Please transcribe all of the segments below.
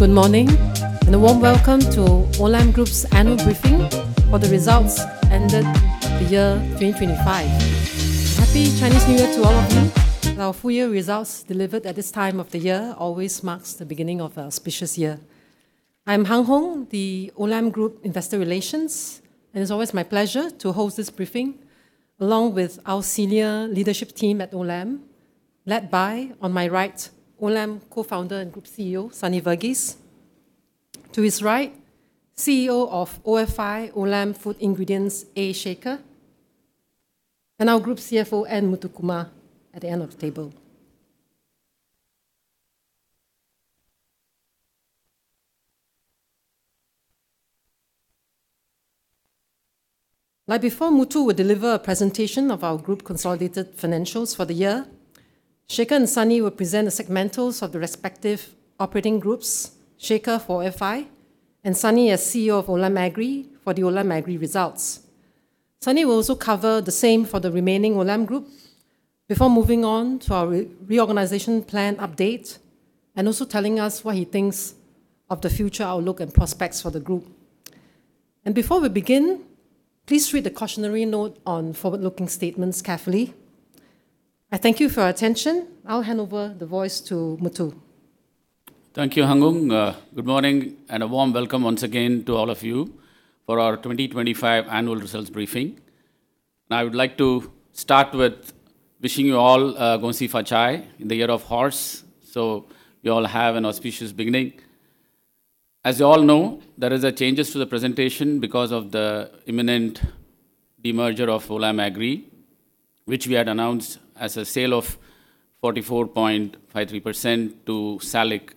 Good morning, and a warm welcome to Olam Group's annual briefing for the results ended the year 2025. Happy Chinese New Year to all of you. Our full year results delivered at this time of the year always marks the beginning of an auspicious year. I'm Hung Hoeng, the Olam Group Investor Relations, and it's always my pleasure to host this briefing, along with our senior leadership team at Olam, led by, on my right, Olam Co-founder and Group CEO, Sunny Verghese. To his right, CEO of ofi, Olam Food Ingredients, A. Shekhar, and our Group CFO, N. Muthukumar, at the end of the table. Now, before Muthu will deliver a presentation of our group consolidated financials for the year, Shekhar and Sunny will present the segmentals of the respective operating groups, Shekhar for ofi and Sunny, as CEO of Olam Agri, for the Olam Agri results. Sunny will also cover the same for the remaining Olam Group before moving on to our reorganization plan update and also telling us what he thinks of the future outlook and prospects for the group. Before we begin, please read the cautionary note on forward-looking statements carefully. I thank you for your attention. I'll hand over the voice to Muthu. Thank you, Hung Hoeng. Good morning, and a warm welcome once again to all of you for our 2025 annual results briefing. I would like to start with wishing you all, Gong Xi Fa Cai in the Year of Horse, so you all have an auspicious beginning. As you all know, there is a changes to the presentation because of the imminent demerger of Olam Agri, which we had announced as a sale of 44.53% to SALIC,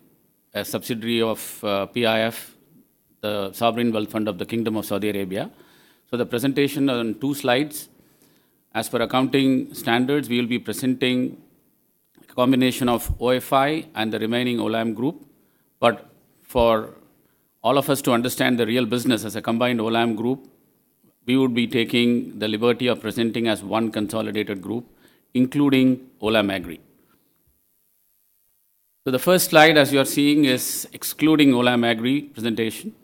a subsidiary of PIF, the sovereign wealth fund of the Kingdom of Saudi Arabia. The presentation on two slides. As for accounting standards, we will be presenting a combination of ofi and the remaining Olam Group, but for all of us to understand the real business as a combined Olam Group, we will be taking the liberty of presenting as one consolidated group, including Olam Agri. The first slide, as you are seeing, is excluding Olam Agri presentation.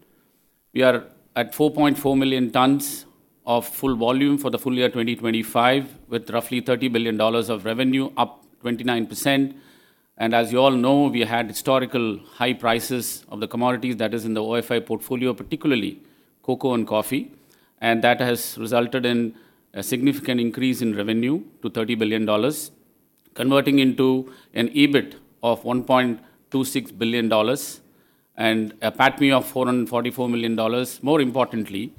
We are at 4.4 million tonnes of full volume for the full year 2025, with roughly $30 billion of revenue, up 29%. As you all know, we had historical high prices of the commodities that is in the ofi portfolio, particularly cocoa and coffee, and that has resulted in a significant increase in revenue to $30 billion, converting into an EBIT of $1.26 billion and a PATMI of $444 million. More importantly,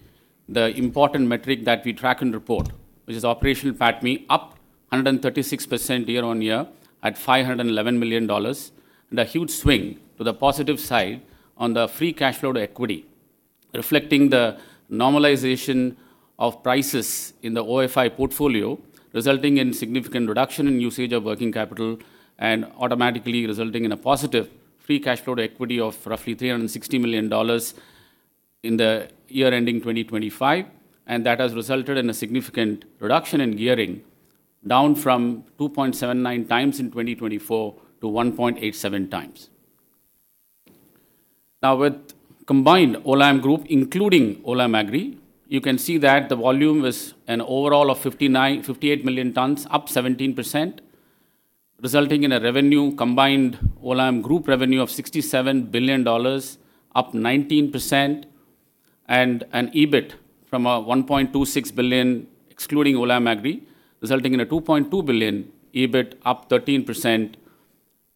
the important metric that we track and report, which is Operational PATMI, up 136% year-on-year at $511 million, a huge swing to the positive side on the Free Cash Flow to Equity, reflecting the normalization of prices in the ofi portfolio, resulting in significant reduction in usage of working capital automatically resulting in a positive Free Cash Flow to Equity of roughly $360 million in the year ending 2025. That has resulted in a significant reduction in gearing, down from 2.79x in 2024 to 1.87x. With combined Olam Group, including Olam Agri, you can see that the volume is an overall of 58 million tonnes, up 17%, resulting in a revenue, combined Olam Group revenue of $67 billion, up 19%, and an EBIT from $1.26 billion, excluding Olam Agri, resulting in a $2.2 billion EBIT, up 13%.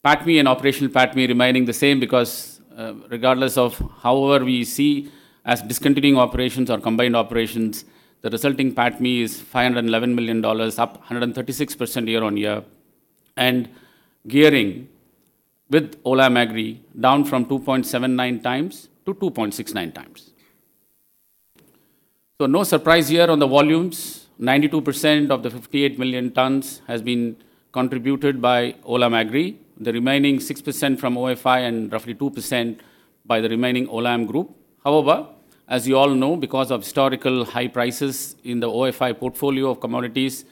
PATMI and operational PATMI remaining the same because, regardless of however we see as discontinuing operations or combined operations, the resulting PATMI is $511 million, up 136% year-on-year, and gearing with Olam Agri down from 2.79x to 2.69x. No surprise here on the volumes. 92% of the 58 million tonnes has been contributed by Olam Agri, the remaining 6% from ofi, and roughly 2% by the remaining Olam Group. However, as you all know, because of historical high prices in the ofi portfolio of commodities,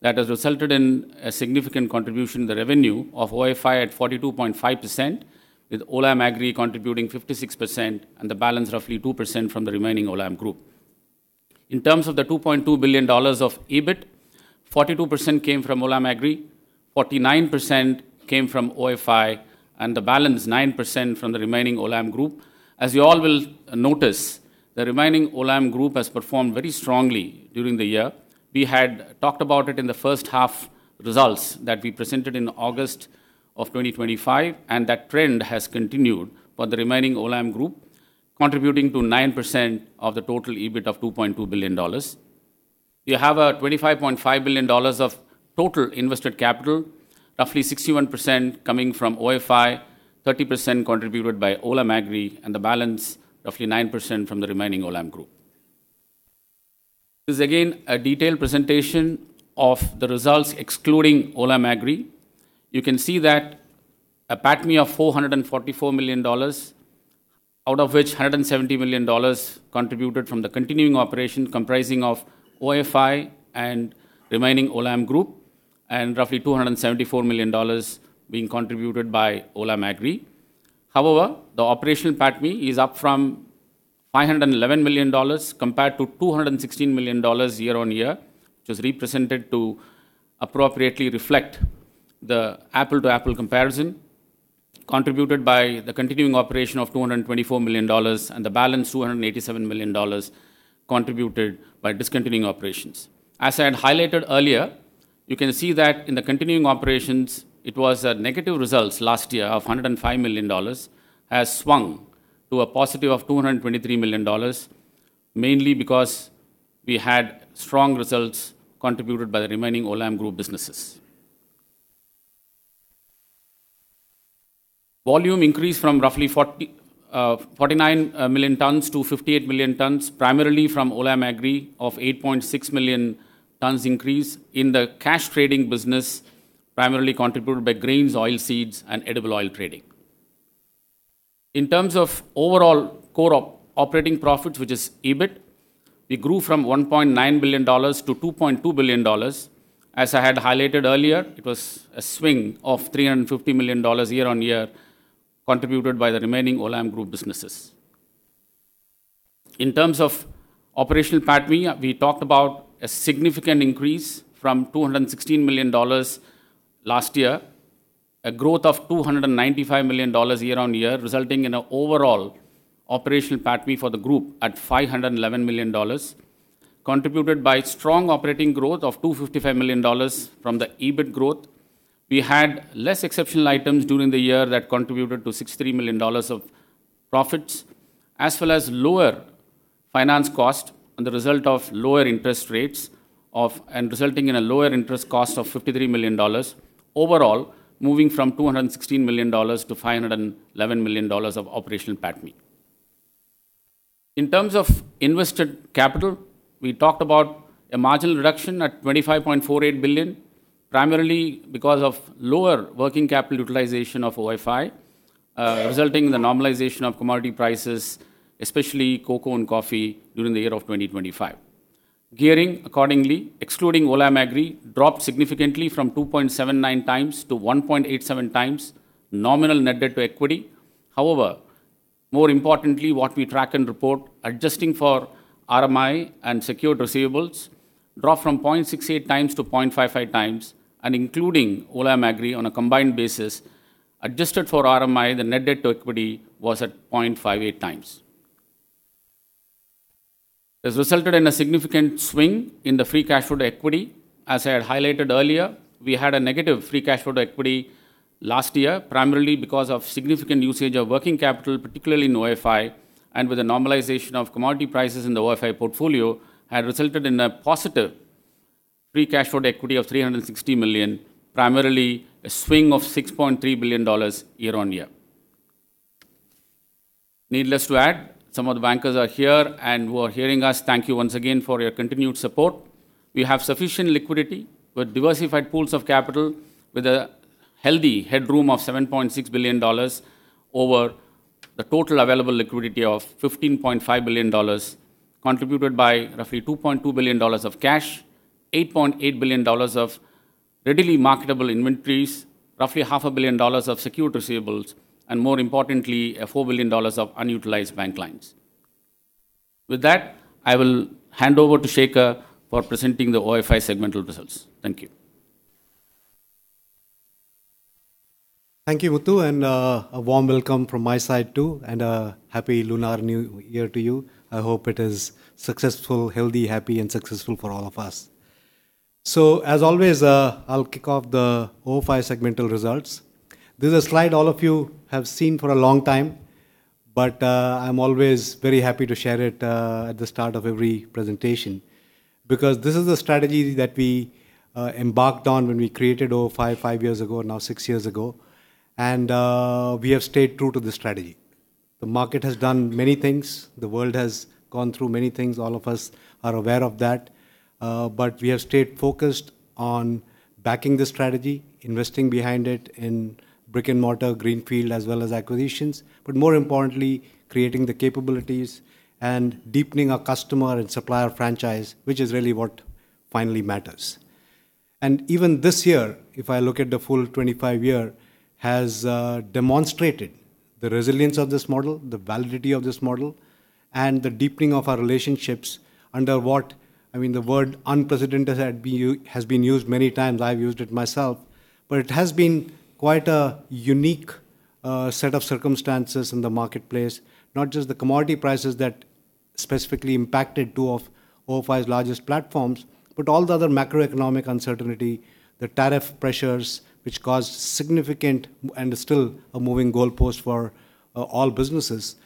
that has resulted in a significant contribution to the revenue of ofi at 42.5%, with Olam Agri contributing 56% and the balance, roughly 2%, from the remaining Olam Group. In terms of the $2.2 billion of EBIT, 42% came from Olam Agri, 49% came from ofi, and the balance, 9%, from the remaining Olam Group. As you all will notice, the remaining Olam Group has performed very strongly during the year. We had talked about it in the 1st half results that we presented in August 2025, and that trend has continued for the Remaining Olam Group, contributing to 9% of the total EBIT of $2.2 billion. We have a $25.5 billion of total invested capital, roughly 61% coming from of, 30% contributed by Olam Agri, and the balance, roughly 9%, from the Remaining Olam Group. This is again, a detailed presentation of the results excluding Olam Agri. You can see that a PATMI of $444 million. Out of which $170 million contributed from the continuing operation comprising of ofi and Remaining Olam Group, and roughly $274 million being contributed by Olam Agri. The Operational PATMI is up from $511 million compared to $216 million year-on-year, which is represented to appropriately reflect the apple-to-apple comparison, contributed by the continuing operation of $224 million, and the balance, $287 million, contributed by discontinuing operations. As I had highlighted earlier, you can see that in the continuing operations, it was a negative results last year of $105 million, has swung to a positive of $223 million, mainly because we had strong results contributed by the remaining Olam Group businesses. Volume increased from roughly 49 million tons to 58 million tons, primarily from Olam Agri of 8.6 million tons increase in the cash trading business, primarily contributed by grains, oilseeds, and edible oil trading. In terms of overall core operating profits, which is EBIT, we grew from $1.9 billion to $2.2 billion. As I had highlighted earlier, it was a swing of $350 million year-on-year, contributed by the remaining Olam Group businesses. In terms of Operational PATMI, we talked about a significant increase from $216 million last year, a growth of $295 million year-on-year, resulting in an overall Operational PATMI for the group at $511 million, contributed by strong operating growth of $255 million from the EBIT growth. We had less exceptional items during the year that contributed to $63 million of profits, as well as lower finance cost and the result of lower interest rates, resulting in a lower interest cost of $53 million, overall, moving from $216 million to $511 million of Operational PATMI. In terms of invested capital, we talked about a marginal reduction at $25.48 billion, primarily because of lower working capital utilization of ofi, resulting in the normalization of commodity prices, especially cocoa and coffee, during the year of 2025. Gearing, accordingly, excluding Olam Agri, dropped significantly from 2.79x to 1.87x nominal net debt to equity. More importantly, what we track and report, adjusting for RMI and secured receivables, dropped from 0.68x to 0.55x. Including Olam Agri on a combined basis, adjusted for RMI, the net debt to equity was at 0.58x. This resulted in a significant swing in the Free Cash Flow to Equity. As I had highlighted earlier, we had a negative Free Cash Flow to Equity last year, primarily because of significant usage of working capital, particularly in ofi, and with the normalization of commodity prices in the ofi portfolio, had resulted in a positive Free Cash Flow to Equity of $360 million, primarily a swing of $6.3 billion year-over-year. Needless to add, some of the bankers are here and who are hearing us, thank you once again for your continued support. We have sufficient liquidity with diversified pools of capital, with a healthy headroom of $7.6 billion over the total available liquidity of $15.5 billion, contributed by roughly $2.2 billion of cash, $8.8 billion of readily marketable inventories, roughly $500 million of secured receivables, and more importantly, a $4 billion of unutilized bank lines. With that, I will hand over to Shekhar for presenting the ofi segmental results. Thank you. Thank you, Muthu, and a warm welcome from my side, too, and happy Lunar New Year to you. I hope it is successful, healthy, happy and successful for all of us. As always, I'll kick off the ofi segmental results. This is a slide all of you have seen for a long time, but I'm always very happy to share it at the start of every presentation, because this is the strategy that we embarked on when we created ofi 5 years ago, now six years ago, and we have stayed true to the strategy. The market has done many things. The world has gone through many things. All of us are aware of that, but we have stayed focused on backing the strategy, investing behind it in brick-and-mortar, greenfield, as well as acquisitions, but more importantly, creating the capabilities and deepening our customer and supplier franchise, which is really what finally matters. Even this year, if I look at the full 25 year, has demonstrated the resilience of this model, the validity of this model, and the deepening of our relationships under what... I mean, the word unprecedented has been used many times. I've used it myself, but it has been quite a unique set of circumstances in the marketplace, not just the commodity prices that specifically impacted two of ofi's largest platforms, but all the other macroeconomic uncertainty, the tariff pressures, which caused significant and is still a moving goalpost for all businesses.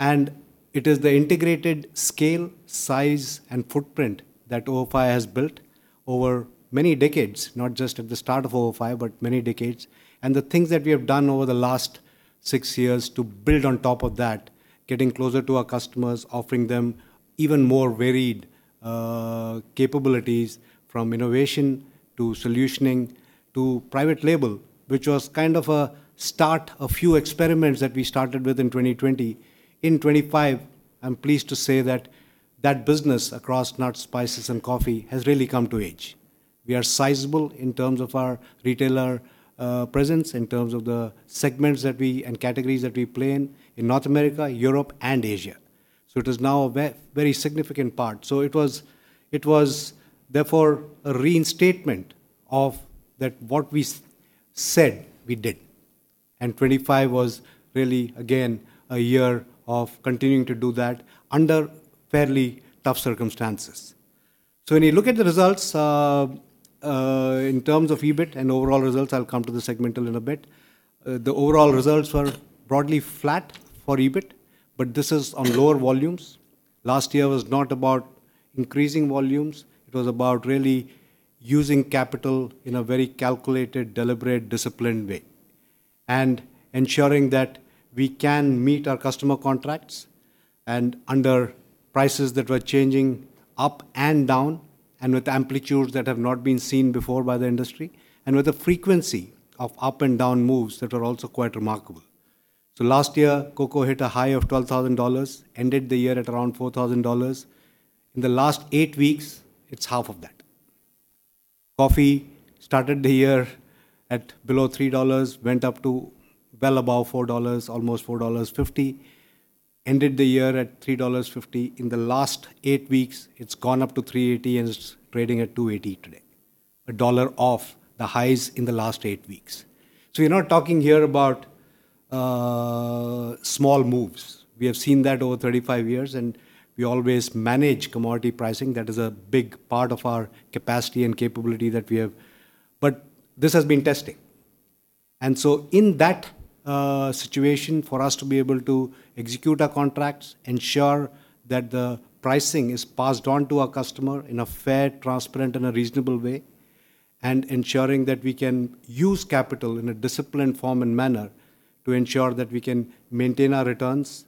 It is the integrated scale, size, and footprint that ofi has built over many decades, not just at the start of ofi, but many decades, and the things that we have done over the last six years to build on top of that, getting closer to our customers, offering them even more varied capabilities, from innovation to solutioning, to private label, which was kind of a start, a few experiments that we started with in 2020. In 2025, I'm pleased to say that business across nuts, spices, and coffee has really come to age. We are sizable in terms of our retailer, presence, in terms of the segments that we and categories that we play in North America, Europe, and Asia. It is now a very significant part. It was therefore a reinstatement of that what we said, we did, and 2025 was really, again, a year of continuing to do that under fairly tough circumstances. When you look at the results, in terms of EBIT and overall results, I'll come to the segment in a little bit. The overall results were broadly flat for EBIT, but this is on lower volumes. Last year was not about increasing volumes; it was about really using capital in a very calculated, deliberate, disciplined way. Ensuring that we can meet our customer contracts, and under prices that were changing up and down, and with amplitudes that have not been seen before by the industry, and with a frequency of up and down moves that are also quite remarkable. Last year, cocoa hit a high of $12,000, ended the year at around $4,000. In the last 8 weeks, it's half of that. Coffee started the year at below $3, went up to well above $4, almost $4.50, ended the year at $3.50. In the last 8 weeks, it's gone up to $3.80, and it's trading at $2.80 today. A dollar off the highs in the last 8 weeks. We're not talking here about small moves. We have seen that over 35 years, and we always manage commodity pricing. That is a big part of our capacity and capability that we have. This has been testing. In that situation, for us to be able to execute our contracts, ensure that the pricing is passed on to our customer in a fair, transparent, and a reasonable way, and ensuring that we can use capital in a disciplined form and manner to ensure that we can maintain our returns,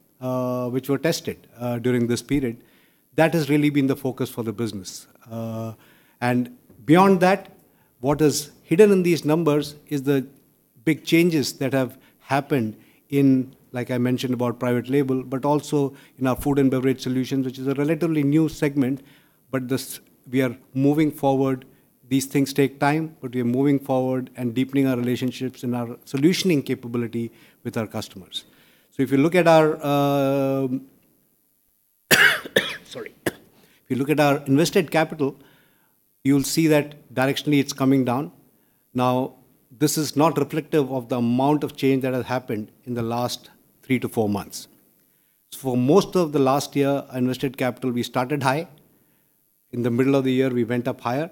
which were tested during this period, that has really been the focus for the business. Beyond that, what is hidden in these numbers is the big changes that have happened in, like I mentioned, about private label, but also in our F&B Solutions, which is a relatively new segment, but we are moving forward. These things take time, but we are moving forward and deepening our relationships and our solutioning capability with our customers. If you look at our, sorry. This is not reflective of the amount of change that has happened in the last three to four months. For most of the last year, invested capital, we started high. In the middle of the year, we went up higher.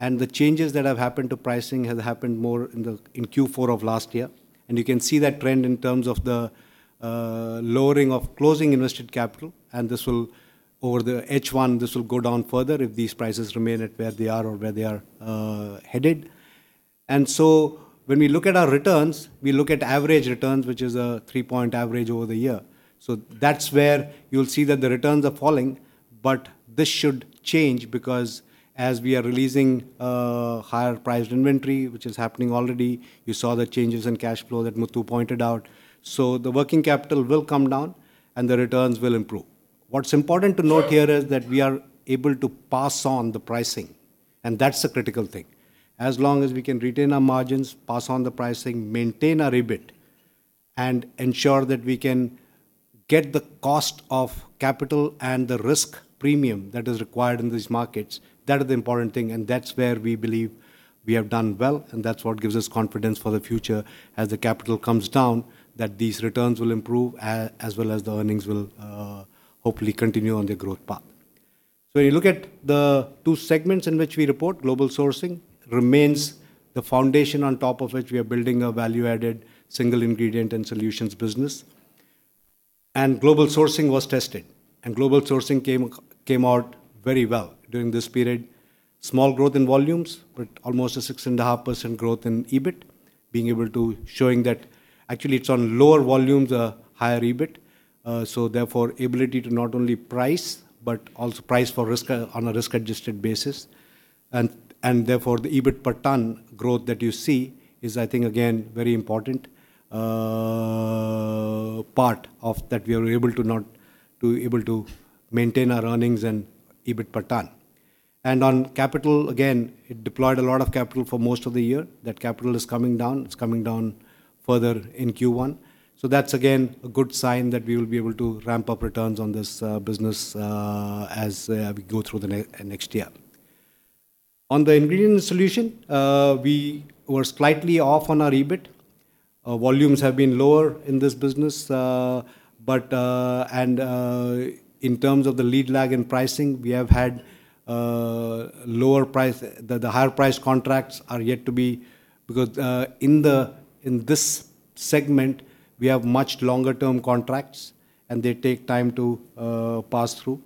The changes that have happened to pricing have happened more in the, in Q4 of last year. You can see that trend in terms of the lowering of closing invested capital. This will over the H1, this will go down further if these prices remain at where they are or where they are headed. When we look at our returns, we look at average returns, which is a three-point average over the year. That's where you'll see that the returns are falling. This should change because as we are releasing, higher-priced inventory, which is happening already, you saw the changes in cash flow that Muthu pointed out. The working capital will come down, and the returns will improve. What's important to note here is that we are able to pass on the pricing, and that's the critical thing. As long as we can retain our margins, pass on the pricing, maintain our EBIT, and ensure that we can get the cost of capital and the risk premium that is required in these markets, that is the important thing, and that's where we believe we have done well, and that's what gives us confidence for the future as the capital comes down, that these returns will improve, as well as the earnings will hopefully continue on their growth path. You look at the two segments in which we report. Global Sourcing remains the foundation on top of which we are building a value-added, single ingredient and solutions business. Global Sourcing was tested, and Global Sourcing came out very well during this period. Small growth in volumes, but almost a 6.5% growth in EBIT, being able to showing that actually it's on lower volumes, higher EBIT. Therefore, ability to not only price, but also price for risk on a risk-adjusted basis. Therefore, the EBIT per ton growth that you see is, I think, again, very important part of that we are able to not to able to maintain our earnings and EBIT per ton. On capital, again, it deployed a lot of capital for most of the year. That capital is coming down. It's coming down further in Q1. That's again, a good sign that we will be able to ramp up returns on this business as we go through the next year. On the ingredient solution, we were slightly off on our EBIT. Volumes have been lower in this business, but, and in terms of the lead lag in pricing, we have had the higher price contracts are yet to be, because in this segment, we have much longer-term contracts, and they take time to pass through.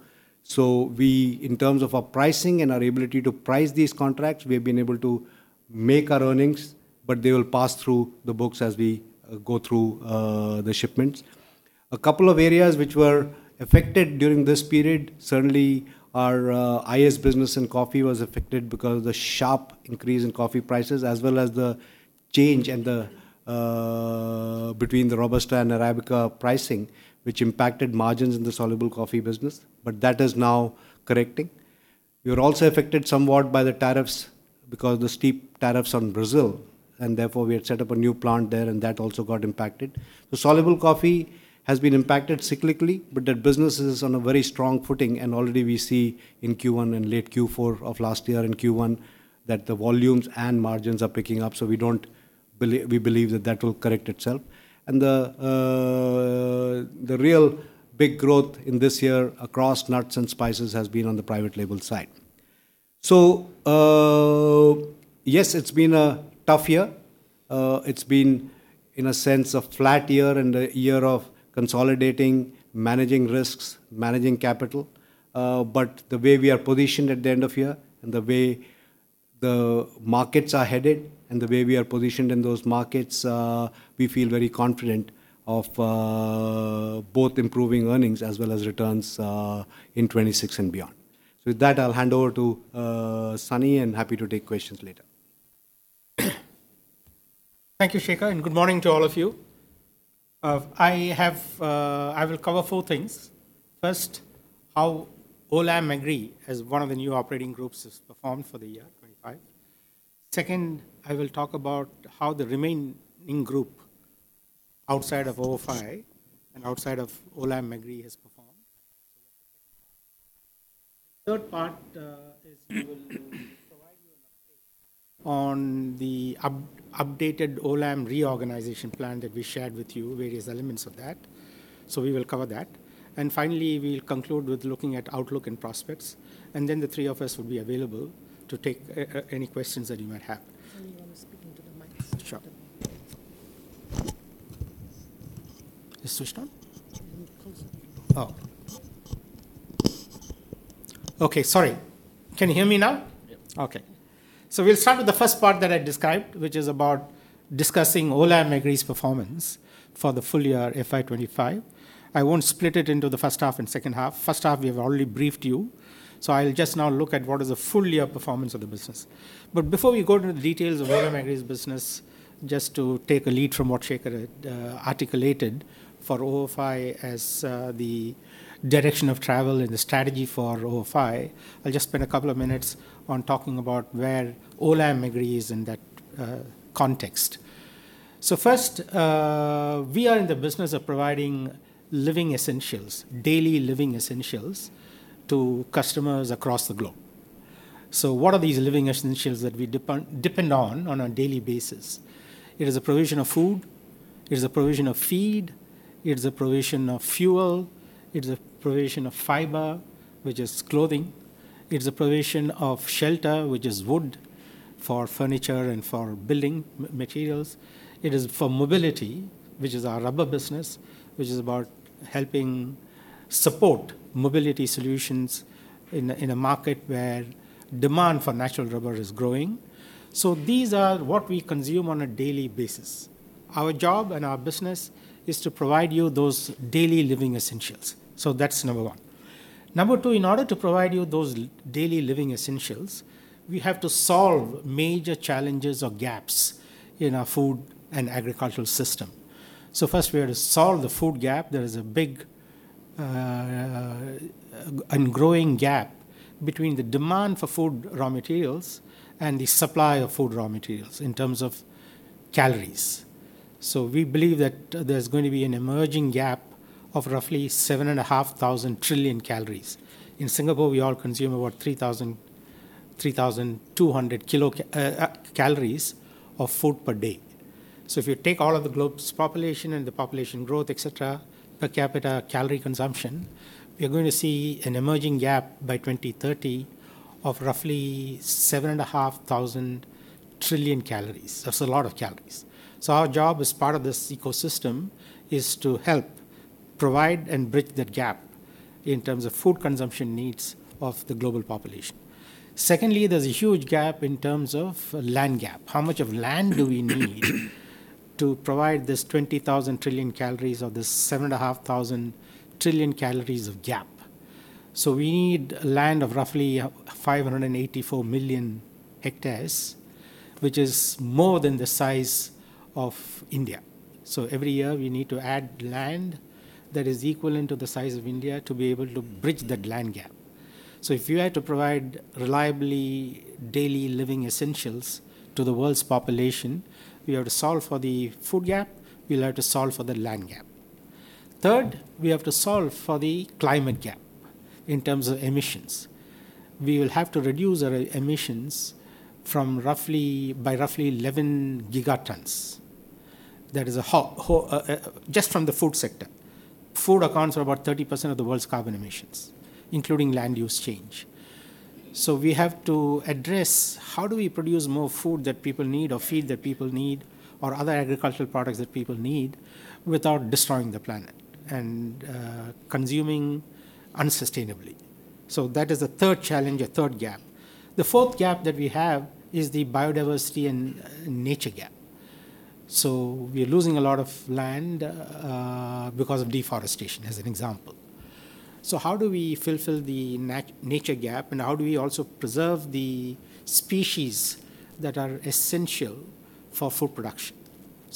We, in terms of our pricing and our ability to price these contracts, we've been able to make our earnings, but they will pass through the books as we go through the shipments. A couple of areas which were affected during this period, certainly our Ingredients & Solutions business in coffee was affected because of the sharp increase in coffee prices, as well as the change in the between the Robusta and Arabica pricing, which impacted margins in the soluble coffee business, but that is now correcting. We were also affected somewhat by the tariffs because the steep tariffs on Brazil, and therefore we had set up a new plant there, and that also got impacted. The soluble coffee has been impacted cyclically, but that business is on a very strong footing, and already we see in Q1 and late Q4 of last year, in Q1, that the volumes and margins are picking up, so we believe that that will correct itself. The real big growth in this year across nuts and spices has been on the private label side. Yes, it's been a tough year. It's been, in a sense, a flat year and a year of consolidating, managing risks, managing capital. The way we are positioned at the end of year, and the way the markets are headed, and the way we are positioned in those markets, we feel very confident of, both improving earnings as well as returns, in 2026 and beyond. With that, I'll hand over to Sunny, and happy to take questions later. Thank you, Shekhar. Good morning to all of you. I will cover four things. First, how Olam Agri, as one of the new operating groups, has performed for the year 2025. Second, I will talk about how the remaining group outside of ofi and outside of Olam Agri has performed. Third part, is we will provide you on the updated Olam reorganisation plan that we shared with you, various elements of that. We will cover that. Finally, we'll conclude with looking at outlook and prospects, and then the three of us will be available to take any questions that you might have. Sunny, you want to speak into the mic? Sure. It's switched on? No, closer. Oh. Okay, sorry. Can you hear me now? Yeah. Okay. We'll start with the first part that I described, which is about discussing Olam Agri's performance for the full year, FY 2025. I won't split it into the first half and second half. First half, we have already briefed you, so I'll just now look at what is the full year performance of the business. Before we go into the details of Olam Agri's business, just to take a lead from what Shekhar articulated for ofi as the direction of travel and the strategy for ofi, I'll just spend a couple of minutes on talking about where Olam Agri is in that context. First, we are in the business of providing living essentials, daily living essentials to customers across the globe. What are these living essentials that we depend on a daily basis? It is a provision of food, it is a provision of feed, it is a provision of fuel, it is a provision of fiber, which is clothing. It is a provision of shelter, which is wood, for furniture and for building materials. It is for mobility, which is our rubber business, which is about helping support mobility solutions in a market where demand for natural rubber is growing. These are what we consume on a daily basis. Our job and our business is to provide you those daily living essentials. That's number one. Number two, in order to provide you those daily living essentials, we have to solve major challenges or gaps in our food and agricultural system. First, we have to solve the food gap. There is a big and growing gap between the demand for food raw materials and the supply of food raw materials in terms of calories. We believe that there's going to be an emerging gap of roughly 7,500 trillion calories. In Singapore, we all consume about 3,000-3,200 kilo calories of food per day. If you take all of the globe's population and the population growth, et cetera, per capita calorie consumption, we are going to see an emerging gap by 2030 of roughly 7,500 trillion calories. That's a lot of calories. Our job as part of this ecosystem is to help provide and bridge that gap in terms of food consumption needs of the global population. Secondly, there's a huge gap in terms of land gap. How much of land do we need to provide this 20,000 trillion calories or this 7,500 trillion calories of gap? We need land of roughly 584 million hectares, which is more than the size of India. Every year, we need to add land that is equivalent to the size of India to be able to bridge that land gap. If you had to provide reliably daily living essentials to the world's population, we have to solve for the food gap, we'll have to solve for the land gap. Third, we have to solve for the climate gap in terms of emissions. We will have to reduce our emissions by roughly 11 gigatons. That is a whole just from the food sector. Food accounts for about 30% of the world's carbon emissions, including land use change. We have to address how do we produce more food that people need, or feed that people need, or other agricultural products that people need without destroying the planet and consuming unsustainably. That is the third challenge, the third gap. The fourth gap that we have is the biodiversity and nature gap. We are losing a lot of land because of deforestation, as an example. How do we fulfill the nature gap, and how do we also preserve the species that are essential for food production?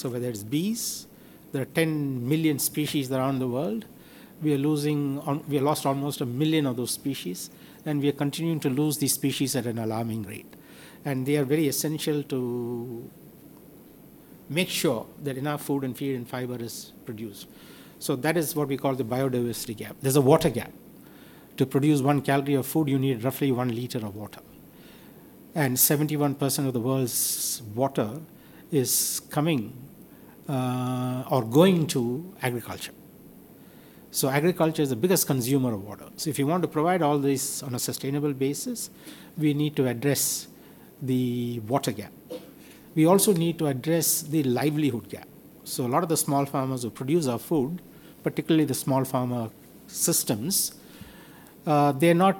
Whether it's bees, there are 10 million species around the world. We lost almost 1 million of those species, and we are continuing to lose these species at an alarming rate. They are very essential to make sure that enough food and feed and fiber is produced. That is what we call the biodiversity gap. There's a water gap. To produce 1 calorie of food, you need roughly 1 liter of water, and 71% of the world's water is coming or going to agriculture. Agriculture is the biggest consumer of water. If you want to provide all this on a sustainable basis, we need to address the water gap. We also need to address the livelihood gap. A lot of the small farmers who produce our food, particularly the small farmer systems, they're not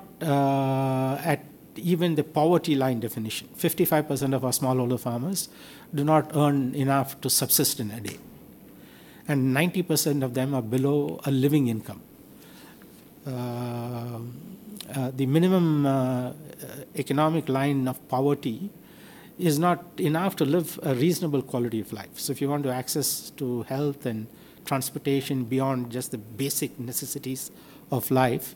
at even the poverty line definition. 55% of our smallholder farmers do not earn enough to subsist in a day, and 90% of them are below a living income. The minimum economic line of poverty is not enough to live a reasonable quality of life. If you want to access to health and transportation beyond just the basic necessities of life,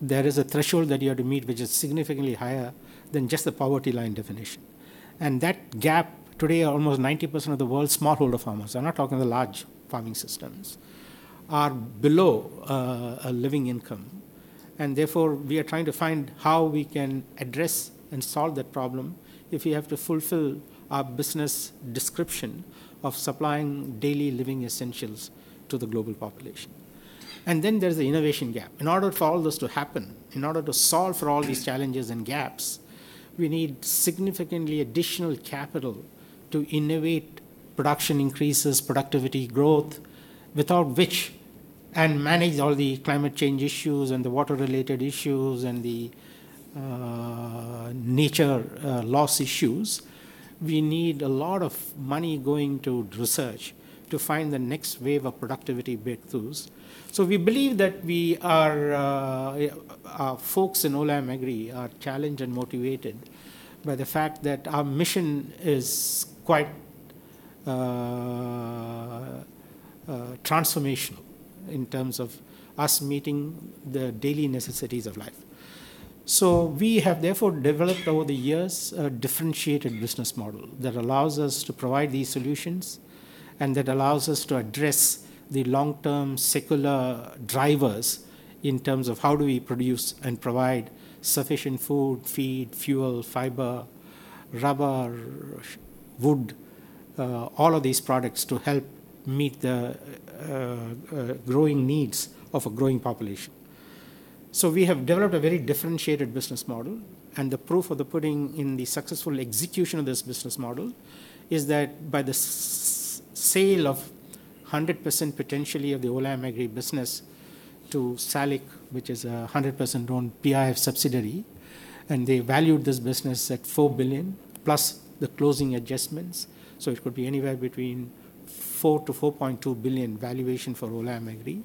there is a threshold that you have to meet which is significantly higher than just the poverty line definition. That gap today, almost 90% of the world's smallholder farmers, I'm not talking the large farming systems, are below a living income. Therefore, we are trying to find how we can address and solve that problem if we have to fulfill our business description of supplying daily living essentials to the global population. Then there's the innovation gap. In order for all this to happen, in order to solve for all these challenges and gaps, we need significantly additional capital to innovate production increases, productivity growth, without which... Manage all the climate change issues, and the water-related issues, and the nature loss issues. We need a lot of money going to research to find the next wave of productivity breakthroughs. We believe that we are our folks in Olam Agri are challenged and motivated by the fact that our mission is quite transformational in terms of us meeting the daily necessities of life. We have therefore developed over the years a differentiated business model that allows us to provide these solutions and that allows us to address the long-term secular drivers in terms of how do we produce and provide sufficient food, feed, fuel, fiber, rubber, wood, all of these products, to help meet the growing needs of a growing population. We have developed a very differentiated business model, and the proof of the pudding in the successful execution of this business model is that by the sale of 100% potentially of the Olam Agri business to SALIC, which is a 100% owned PIF subsidiary. They valued this business at $4 billion, plus the closing adjustments. It could be anywhere between $4 billion-$4.2 billion valuation for Olam Agri,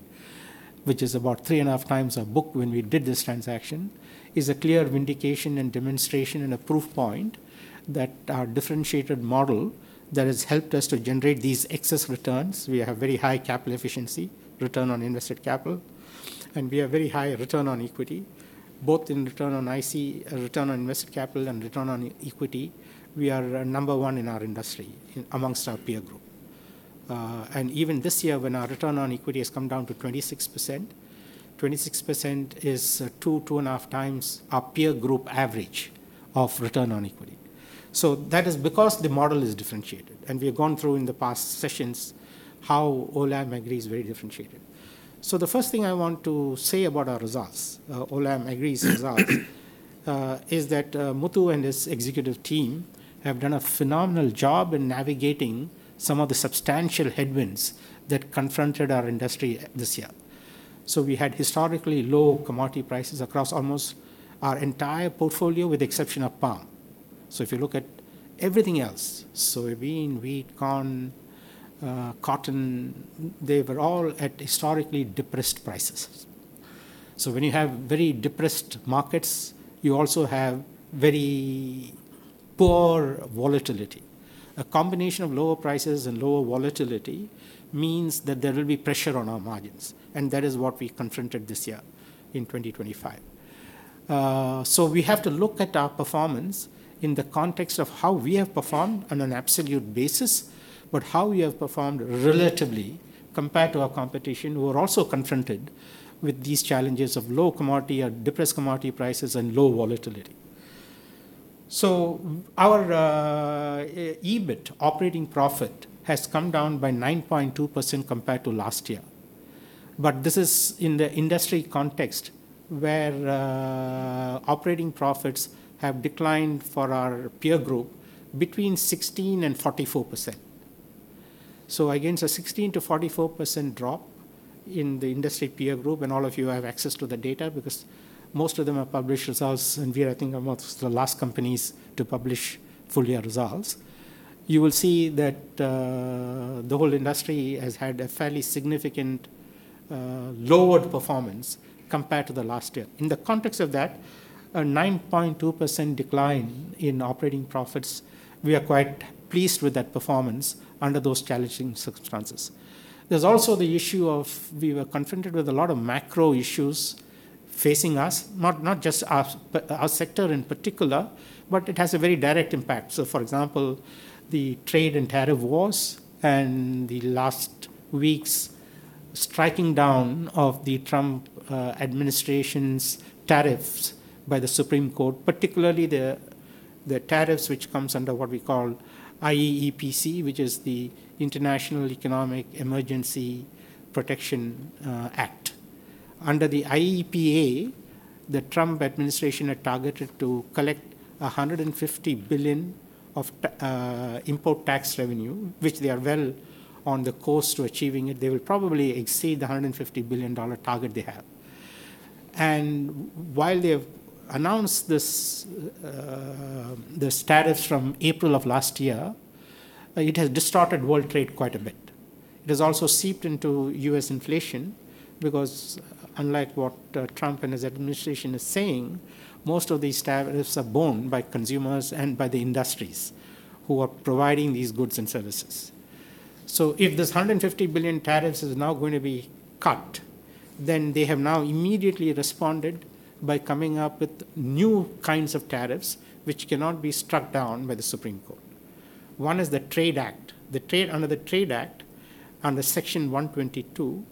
which is about 3.5x our book when we did this transaction, is a clear vindication and demonstration and a proof point that our differentiated model that has helped us to generate these excess returns. We have very high capital efficiency, return on invested capital, and we have very high return on equity, both in return on IC, return on invested capital, and return on equity. We are number one in our industry, in amongst our peer group. Even this year, when our return on equity has come down to 26%, 26% is 2.5x our peer group average of return on equity. That is because the model is differentiated, and we have gone through in the past sessions how Olam Agri is very differentiated. The first thing I want to say about our results, Olam Agri's results is that Muthu and his executive team have done a phenomenal job in navigating some of the substantial headwinds that confronted our industry this year. We had historically low commodity prices across almost our entire portfolio, with the exception of palm. If you look at everything else, soybean, wheat, corn, cotton, they were all at historically depressed prices. When you have very depressed markets, you also have very poor volatility. A combination of lower prices and lower volatility means that there will be pressure on our margins, and that is what we confronted this year in 2025. We have to look at our performance in the context of how we have performed on an absolute basis, but how we have performed relatively compared to our competition, who are also confronted with these challenges of low commodity or depressed commodity prices and low volatility. Our EBIT, operating profit, has come down by 9.2% compared to last year, but this is in the industry context, where operating profits have declined for our peer group between 16% and 44%. Against a 16%-44% drop in the industry peer group, and all of you have access to the data because most of them are published results, and we are, I think, amongst the last companies to publish full year results. You will see that the whole industry has had a fairly significant lowered performance compared to the last year. In the context of that, a 9.2% decline in operating profits, we are quite pleased with that performance under those challenging circumstances. There's also the issue of we were confronted with a lot of macro issues facing us, not just us, but our sector in particular, but it has a very direct impact. For example, the trade and tariff wars and the last week's striking down of the Trump administration's tariffs by the Supreme Court, particularly the tariffs which comes under what we call IEEPA, which is the International Economic Emergency Protection Act. Under the IEEPA, the Trump administration had targeted to collect $150 billion of import tax revenue, which they are well on the course to achieving it. They will probably exceed the $150 billion target they have. While they have announced this tariffs from April of last year, it has distorted world trade quite a bit. It has also seeped into U.S. inflation because unlike what Trump and his administration is saying, most of these tariffs are borne by consumers and by the industries who are providing these goods and services. If this $150 billion tariffs is now going to be cut, they have now immediately responded by coming up with new kinds of tariffs, which cannot be struck down by the Supreme Court. One is the Trade Act. Under the Trade Act, under Section 122,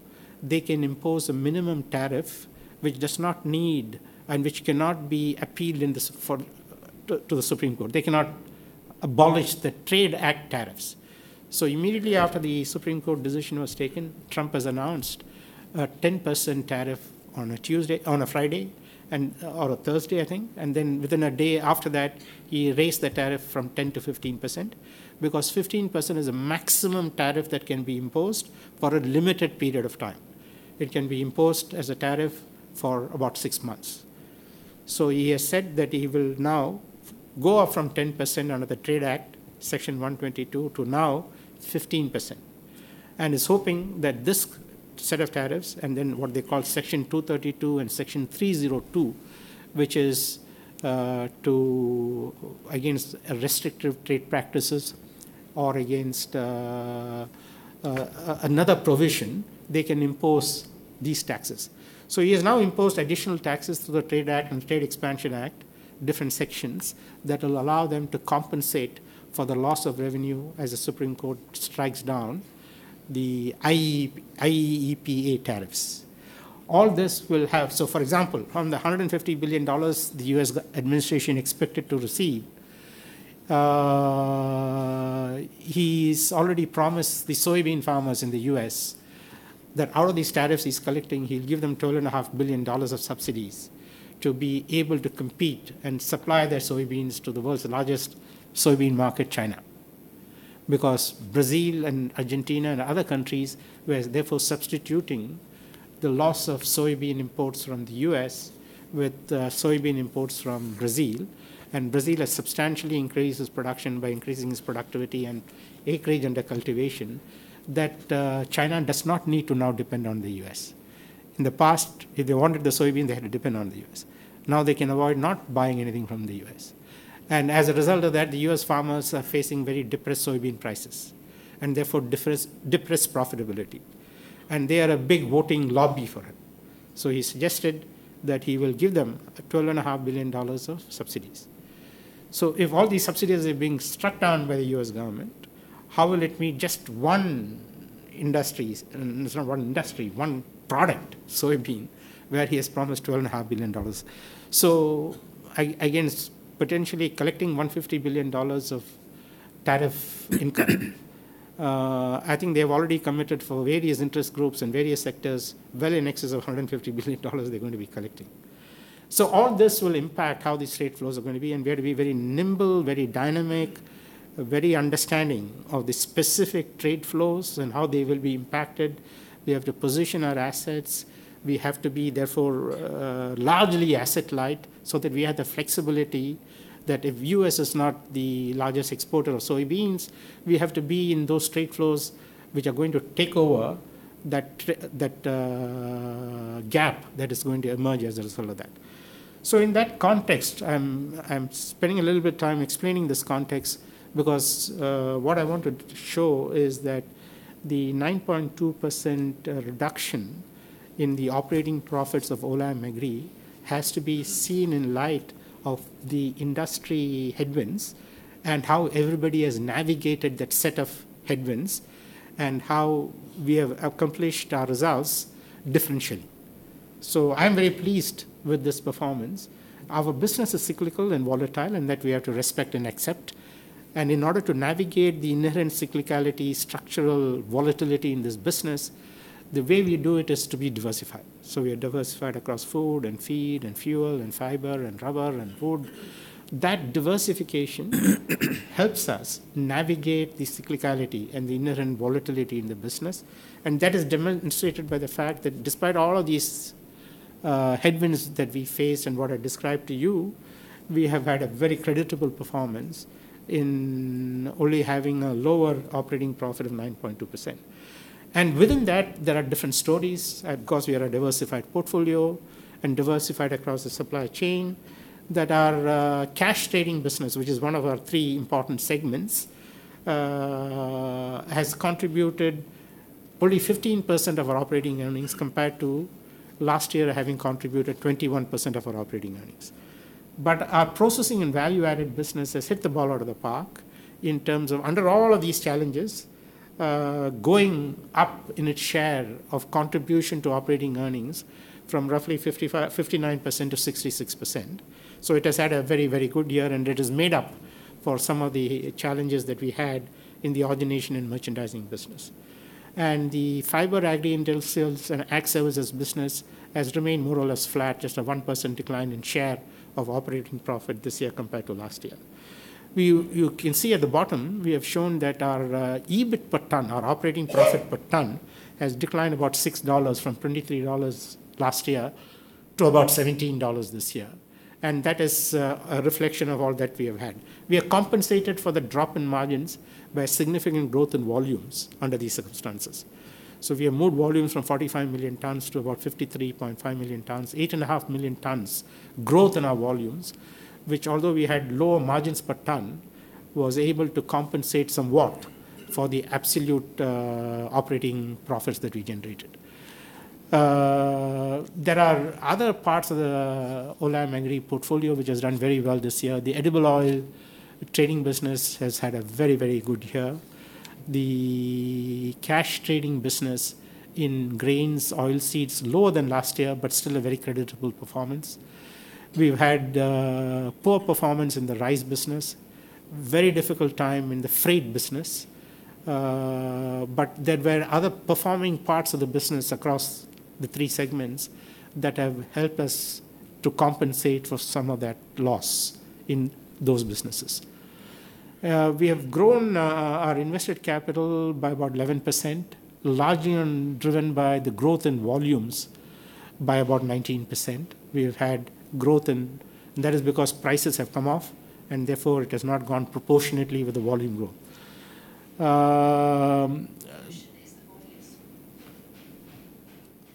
they can impose a minimum tariff, which does not need and which cannot be appealed in the for, to the Supreme Court. They cannot abolish the Trade Act tariffs. Immediately after the Supreme Court decision was taken, Trump has announced a 10% tariff on a Tuesday-- on a Friday and, or a Thursday, I think. Within a day after that, he raised the tariff from 10%-15%, because 15% is a maximum tariff that can be imposed for a limited period of time. It can be imposed as a tariff for about 6 months. He has said that he will now go up from 10% under the Trade Act, Section 122, to now 15%, and is hoping that this set of tariffs, and then what they call Section 232 and Section 301, which is to against restrictive trade practices or against another provision, they can impose these taxes. He has now imposed additional taxes through the Trade Act and the Trade Expansion Act, different sections, that will allow them to compensate for the loss of revenue as the Supreme Court strikes down the IEEPA tariffs. For example, from the $150 billion the U.S. administration expected to receive, he's already promised the soybean farmers in the U.S. that out of these tariffs he's collecting, he'll give them twelve and a half billion dollars of subsidies to be able to compete and supply their soybeans to the world's largest soybean market, China. Because Brazil and Argentina and other countries, who are therefore substituting the loss of soybean imports from the U.S. with, soybean imports from Brazil, and Brazil has substantially increased its production by increasing its productivity and acreage under cultivation, that, China does not need to now depend on the U.S. In the past, if they wanted the soybean, they had to depend on the U.S. Now they can avoid not buying anything from the U.S. As a result of that, the U.S. farmers are facing very depressed soybean prices, and therefore, depressed profitability. They are a big voting lobby for him. He suggested that he will give them $12.5 billion of subsidies. If all these subsidies are being struck down by the U.S. government, how will it meet just one industry's, and it's not one industry, one product, soybean, where he has promised $12.5 billion? Against potentially collecting $150 billion of tariff income, I think they have already committed for various interest groups and various sectors well in excess of $150 billion they're going to be collecting. All this will impact how these trade flows are going to be, and we have to be very nimble, very dynamic, very understanding of the specific trade flows and how they will be impacted. We have to position our assets. We have to be, therefore, largely asset light, so that we have the flexibility that if U.S. is not the largest exporter of soybeans, we have to be in those trade flows, which are going to take over that gap that is going to emerge as a result of that. In that context, I'm spending a little bit of time explaining this context because what I want to show is that the 9.2% reduction in the operating profits of Olam Agri has to be seen in light of the industry headwinds and how everybody has navigated that set of headwinds and how we have accomplished our results differentially. I'm very pleased with this performance. Our business is cyclical and volatile, and that we have to respect and accept. In order to navigate the inherent cyclicality, structural volatility in this business, the way we do it is to be diversified. We are diversified across food and feed and fuel and fiber and rubber and wood. That diversification helps us navigate the cyclicality and the inherent volatility in the business, and that is demonstrated by the fact that despite all of these headwinds that we face and what I described to you, we have had a very creditable performance in only having a lower operating profit of 9.2%. Within that, there are different stories. Of course, we are a diversified portfolio and diversified across the supply chain, that our cash trading business, which is one of our three important segments, has contributed only 15% of our operating earnings compared to last year, having contributed 21% of our operating earnings. Our Processing & Value-added business has hit the ball out of the park in terms of under all of these challenges, going up in its share of contribution to operating earnings from roughly 59% to 66%. It has had a very, very good year, and it has made up for some of the challenges that we had in the Origination & Merchandising business. The Fibre, Agri-industrials & Ag Services business has remained more or less flat, just a 1% decline in share of operating profit this year compared to last year. You can see at the bottom, we have shown that our EBIT per ton, our operating profit per ton, has declined about $6 from $23 last year to about $17 this year, and that is a reflection of all that we have had. We are compensated for the drop in margins by a significant growth in volumes under these circumstances. We have moved volumes from 45 million tons to about 53.5 million tons, 8.5 million tons growth in our volumes, which, although we had lower margins per ton, was able to compensate somewhat for the absolute operating profits that we generated. There are other parts of the Olam Agri portfolio, which has done very well this year. The edible oil trading business has had a very good year. The cash trading business in grains, oilseeds, lower than last year, but still a very creditable performance. We've had poor performance in the rice business, very difficult time in the freight business, but there were other performing parts of the business across the three segments that have helped us to compensate for some of that loss in those businesses. We have grown our invested capital by about 11%, largely and driven by the growth in volumes by about 19%. We have had growth and that is because prices have come off, and therefore, it has not gone proportionately with the volume growth. Is the volumes.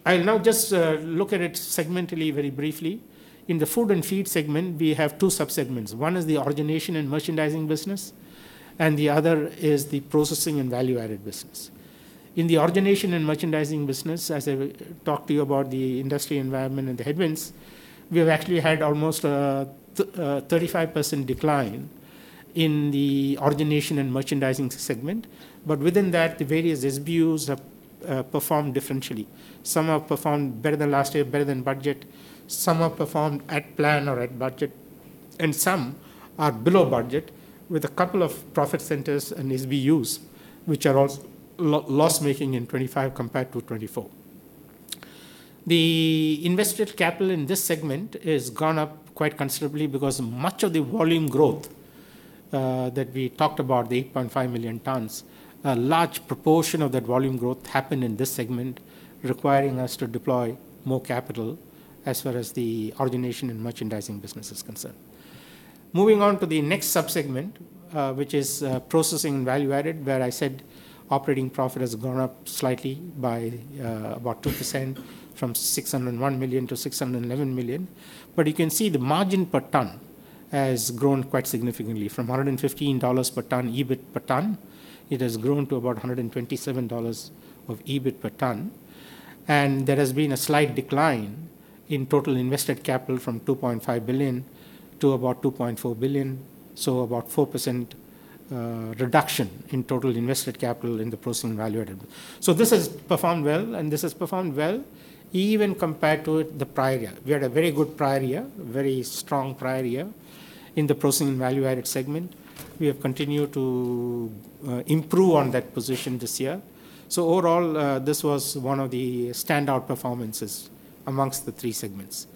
I'll now just look at it segmentally very briefly. In the Food & Feed segment, we have two sub-segments. One is the Origination & Merchandising business, and the other is the Processing & Value-added business. In the Origination & Merchandising business, as I talked to you about the industry environment and the headwinds, we have actually had almost a 35% decline in the Origination & Merchandising segment, but within that, the various SBUs have performed differentially. Some have performed better than last year, better than budget, some have performed at plan or at budget, and some are below budget, with a couple of profit centers and SBUs, which are loss-making in 2025 compared to 2024. The invested capital in this segment has gone up quite considerably because much of the volume growth, that we talked about, the 8.5 million tons, a large proportion of that volume growth happened in this segment, requiring us to deploy more capital as far as the Origination & Merchandising business is concerned. Moving on to the next sub-segment, which is, Processing & Value-added, where I said operating profit has gone up slightly by, about 2% from 601 million to 611 million. You can see the margin per ton has grown quite significantly from $115 per ton, EBIT per ton, it has grown to about $127 of EBIT per ton. There has been a slight decline in total invested capital from $2.5 billion to about $2.4 billion, so about 4% reduction in total invested capital in the Processing & Value-added. This has performed well, and this has performed well even compared to the prior year. We had a very good prior year, a very strong prior year in the Processing & Value-added segment. We have continued to improve on that position this year. Overall, this was one of the standout performances amongst the three segments.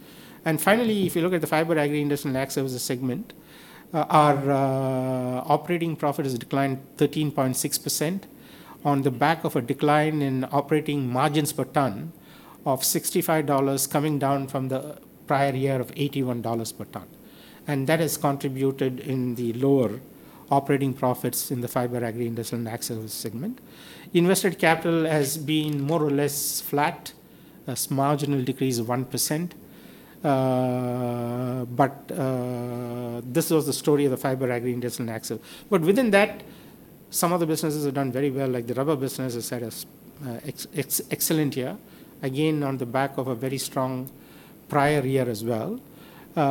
Finally, if you look at the Fibre, Agri-industrials & Ag Services segment, our operating profit has declined 13.6% on the back of a decline in operating margins per ton of $65, coming down from the prior year of $81 per ton. That has contributed in the lower operating profits in the Fibre, Agri-industrials & Ag Services segment. Invested capital has been more or less flat, a marginal decrease of 1%. This was the story of the Fibre, Agri-industrials & Ag Services. Within that, some of the businesses have done very well, like the rubber business has had an excellent year, again, on the back of a very strong prior year as well. We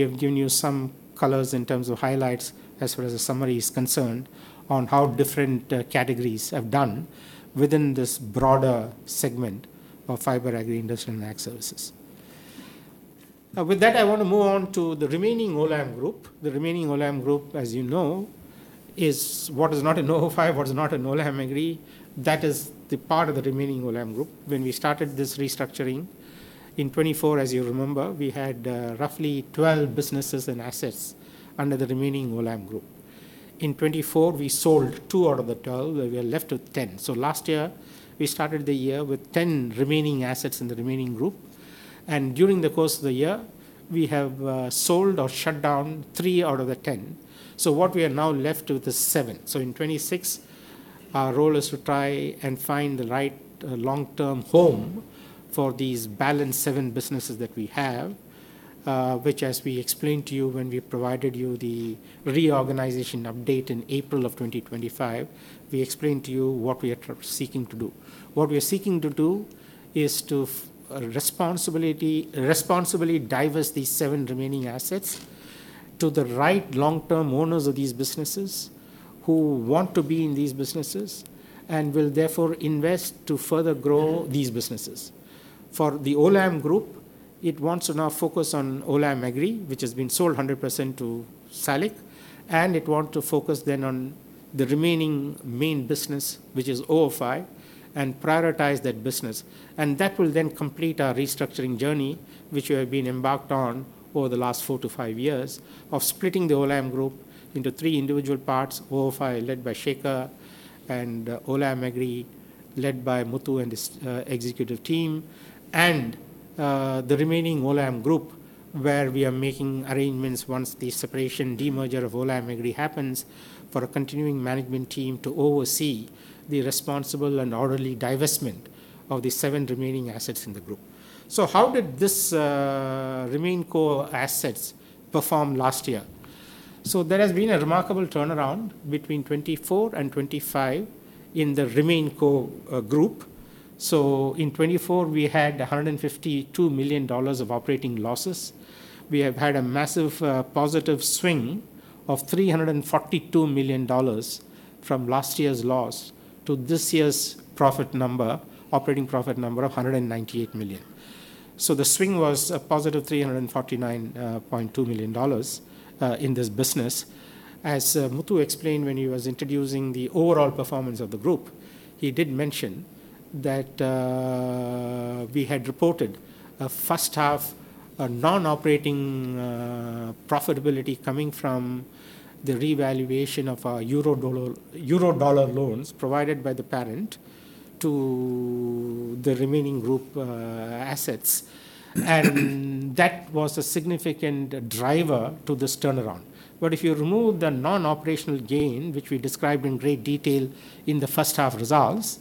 have given you some colors in terms of highlights as far as the summary is concerned on how different categories have done within this broader segment of Fibre, Agri-industrials & Ag Services. With that, I want to move on to the Remaining Olam Group. The Remaining Olam Group, as you know, is what is not in ofi, what is not in Olam Agri. That is the part of the Remaining Olam Group. When we started this restructuring in 2024, as you remember, we had roughly 12 businesses and assets under the Remaining Olam Group. In 2024, we sold 2 out of the 12, and we are left with 10. Last year, we started the year with 10 remaining assets in the remaining group, and during the course of the year, we have sold or shut down 3 out of the 10. What we are now left with is 7. In 2026, our role is to try and find the right long-term home for these balanced 7 businesses that we have, which, as we explained to you when we provided you the reorganization update in April of 2025, we explained to you what we are seeking to do. What we are seeking to do is to responsibly divest these 7 remaining assets to the right long-term owners of these businesses, who want to be in these businesses, and will therefore invest to further grow these businesses. For the Olam Group, it wants to now focus on Olam Agri, which has been sold 100% to SALIC, and it want to focus then on the remaining main business, which is ofi, and prioritize that business. That will then complete our restructuring journey, which we have been embarked on over the last four to five years of splitting the Olam Group into three individual parts: ofi, led by Shekhar, and Olam Agri, led by Muthu and his executive team, and the remaining Olam Group, where we are making arrangements once the separation demerger of Olam Agri happens, for a continuing management team to oversee the responsible and orderly divestment of the seven remaining assets in the group. How did this remain core assets perform last year? There has been a remarkable turnaround between 2024 and 2025 in the RemainCo Group. In 2024, we had $152 million of operating losses. We have had a massive positive swing of $342 million from last year's loss to this year's operating profit number of $198 million. The swing was a positive $349.2 million in this business. As Muthu explained when he was introducing the overall performance of the group, he did mention that we had reported a first half, a non-operating profitability coming from the revaluation of our euro-dollar loans provided by the parent to the remaining group assets. That was a significant driver to this turnaround. If you remove the non-operational gain, which we described in great detail in the first half results,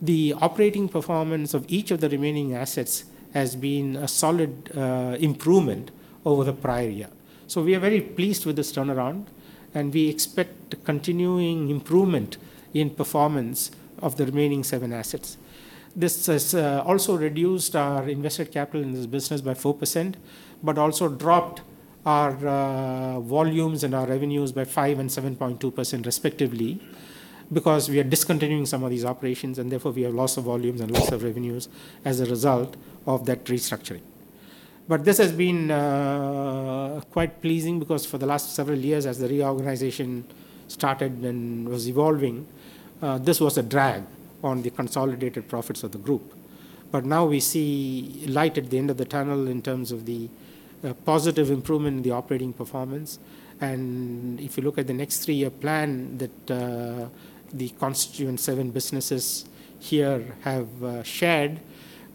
the operating performance of each of the remaining assets has been a solid improvement over the prior year. We are very pleased with this turnaround, and we expect continuing improvement in performance of the remaining seven assets. This has also reduced our invested capital in this business by 4%, but also dropped our volumes and our revenues by 5% and 7.2% respectively, because we are discontinuing some of these operations, and therefore, we have loss of volumes and loss of revenues as a result of that restructuring. This has been quite pleasing because for the last several years, as the reorganization started and was evolving, this was a drag on the consolidated profits of the Group. Now we see light at the end of the tunnel in terms of the positive improvement in the operating performance. If you look at the next 3-year plan that the constituent 7 businesses here have shared,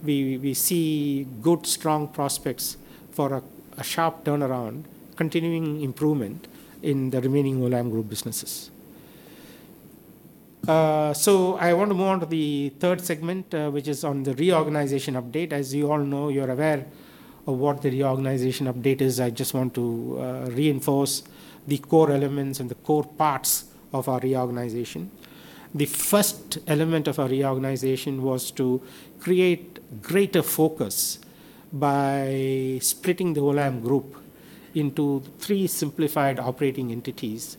we see good, strong prospects for a sharp turnaround, continuing improvement in the remaining Olam Group businesses. I want to move on to the 3rd segment, which is on the reorganization update. As you all know, you're aware of what the reorganization update is. I just want to reinforce the core elements and the core parts of our reorganization. The first element of our reorganization was to create greater focus by splitting the Olam Group into 3 simplified operating entities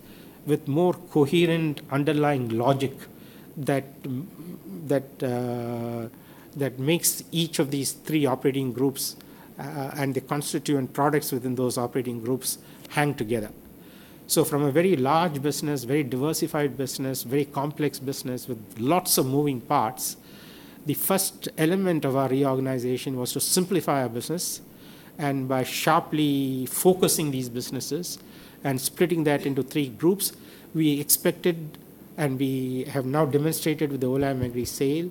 with more coherent underlying logic that makes each of these 3 operating groups, and the constituent products within those operating groups hang together. From a very large business, very diversified business, very complex business with lots of moving parts, the first element of our reorganization was to simplify our business, and by sharply focusing these businesses and splitting that into three groups, we expected, and we have now demonstrated with the Olam Agri sale,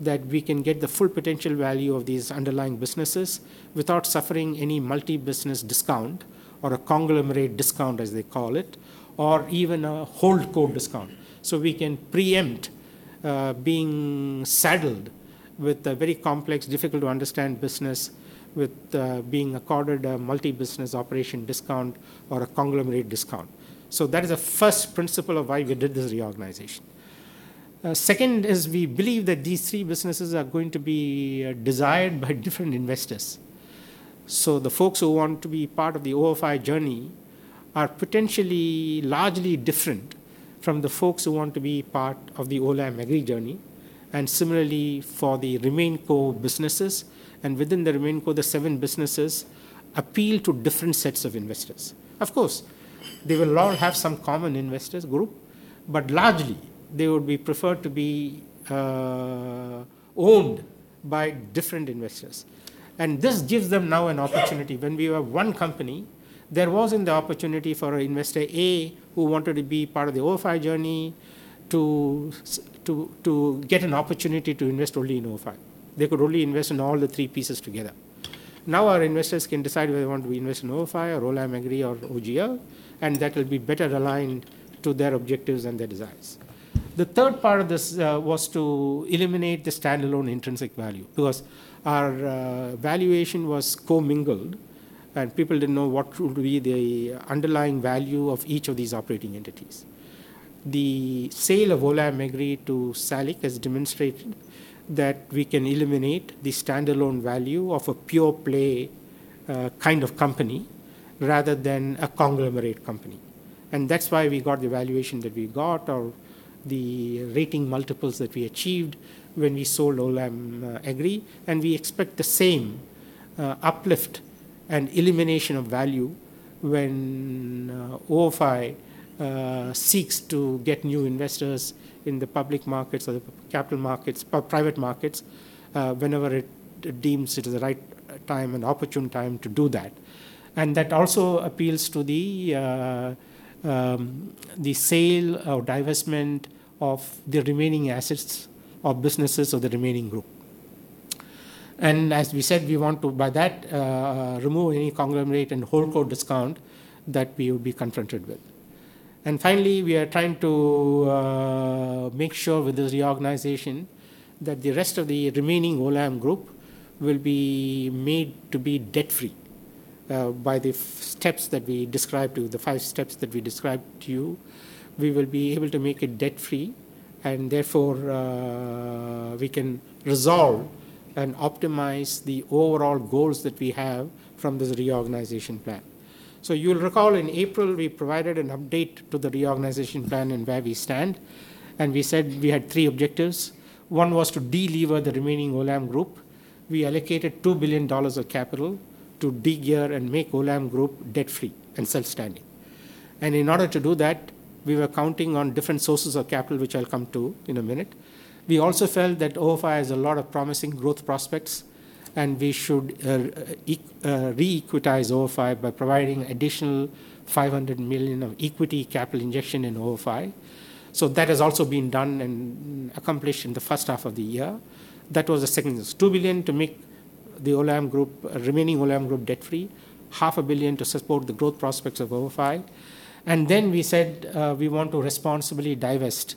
that we can get the full potential value of these underlying businesses without suffering any multi-business discount or a conglomerate discount, as they call it, or even a holdco discount. We can preempt being saddled with a very complex, difficult-to-understand business, with being accorded a multi-business operation discount or a conglomerate discount. That is the first principle of why we did this reorganization. Second is, we believe that these three businesses are going to be desired by different investors. The folks who want to be part of the ofi journey-... are potentially largely different from the folks who want to be part of the Olam Agri journey, and similarly, for the remain core businesses, and within the remain core, the seven businesses appeal to different sets of investors. Of course, they will all have some common investors group, but largely, they will be preferred to be owned by different investors. This gives them now an opportunity. When we were one company, there wasn't the opportunity for Investor A, who wanted to be part of the ofi journey, to get an opportunity to invest only in ofi. They could only invest in all the three pieces together. Now, our investors can decide whether they want to invest in ofi or Olam Agri or OGL, and that will be better aligned to their objectives and their desires. The third part of this was to eliminate the standalone intrinsic value, because our valuation was co-mingled, and people didn't know what would be the underlying value of each of these operating entities. The sale of Olam Agri to SALIC has demonstrated that we can eliminate the standalone value of a pure-play kind of company, rather than a conglomerate company. That's why we got the valuation that we got, or the rating multiples that we achieved when we sold Olam Agri. We expect the same uplift and elimination of value when ofi seeks to get new investors in the public markets or the capital markets or private markets whenever it deems it is the right time and opportune time to do that. That also appeals to the sale or divestment of the remaining assets or businesses of the remaining group. As we said, we want to, by that, remove any conglomerate and holdco discount that we will be confronted with. Finally, we are trying to make sure with this reorganization that the rest of the remaining Olam Group will be made to be debt-free. By the five steps that we described to you, we will be able to make it debt-free, and therefore, we can resolve and optimize the overall goals that we have from this reorganization plan. You'll recall in April, we provided an update to the reorganization plan and where we stand, and we said we had three objectives. One was to delever the remaining Olam Group. We allocated $2 billion of capital to de-gear and make Olam Group debt-free and self-standing. In order to do that, we were counting on different sources of capital, which I'll come to in a minute. We also felt that ofi has a lot of promising growth prospects, and we should re-equitise ofi by providing additional $500 million of equity capital injection in ofi. That has also been done and accomplished in the first half of the year. That was the second: $2 billion to make the Olam Group, remaining Olam Group, debt-free, half a billion to support the growth prospects of ofi. Then we said, we want to responsibly divest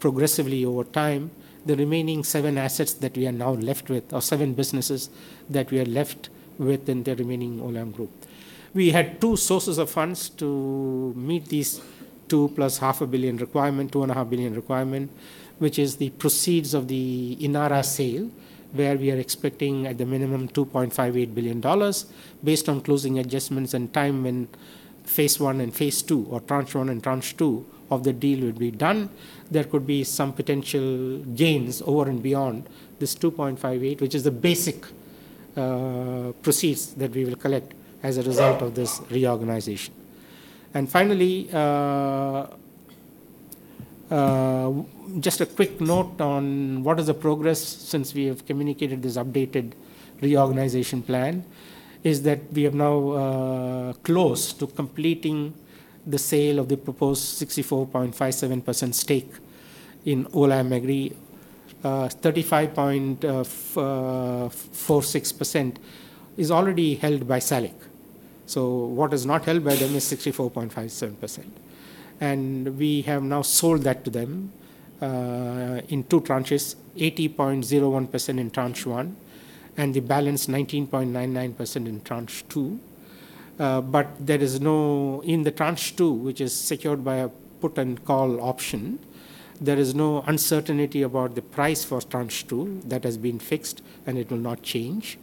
progressively over time, the remaining seven assets that we are now left with or seven businesses that we are left with in the remaining Olam Group. We had two sources of funds to meet these 2 and a half billion requirement, which is the proceeds of the Inara sale, where we are expecting, at the minimum, $2.58 billion, based on closing adjustments and time when Phase 1 and Phase 2, or Tranche 1 and Tranche 2 of the deal will be done. There could be some potential gains over and beyond this $2.58, which is the basic proceeds that we will collect as a result of this reorganization. Finally, just a quick note on what is the progress since we have communicated this updated reorganization plan, is that we have now close to completing the sale of the proposed 64.57% stake in Olam Agri. 35.46% is already held by SALIC. What is not held by them is 64.57%. We have now sold that to them in two tranches: 80.01% in Tranche 1, and the balance, 19.99% in Tranche 2. In the Tranche 2, which is secured by a put and call option, there is no uncertainty about the price for Tranche 2. That has been fixed, it will not change.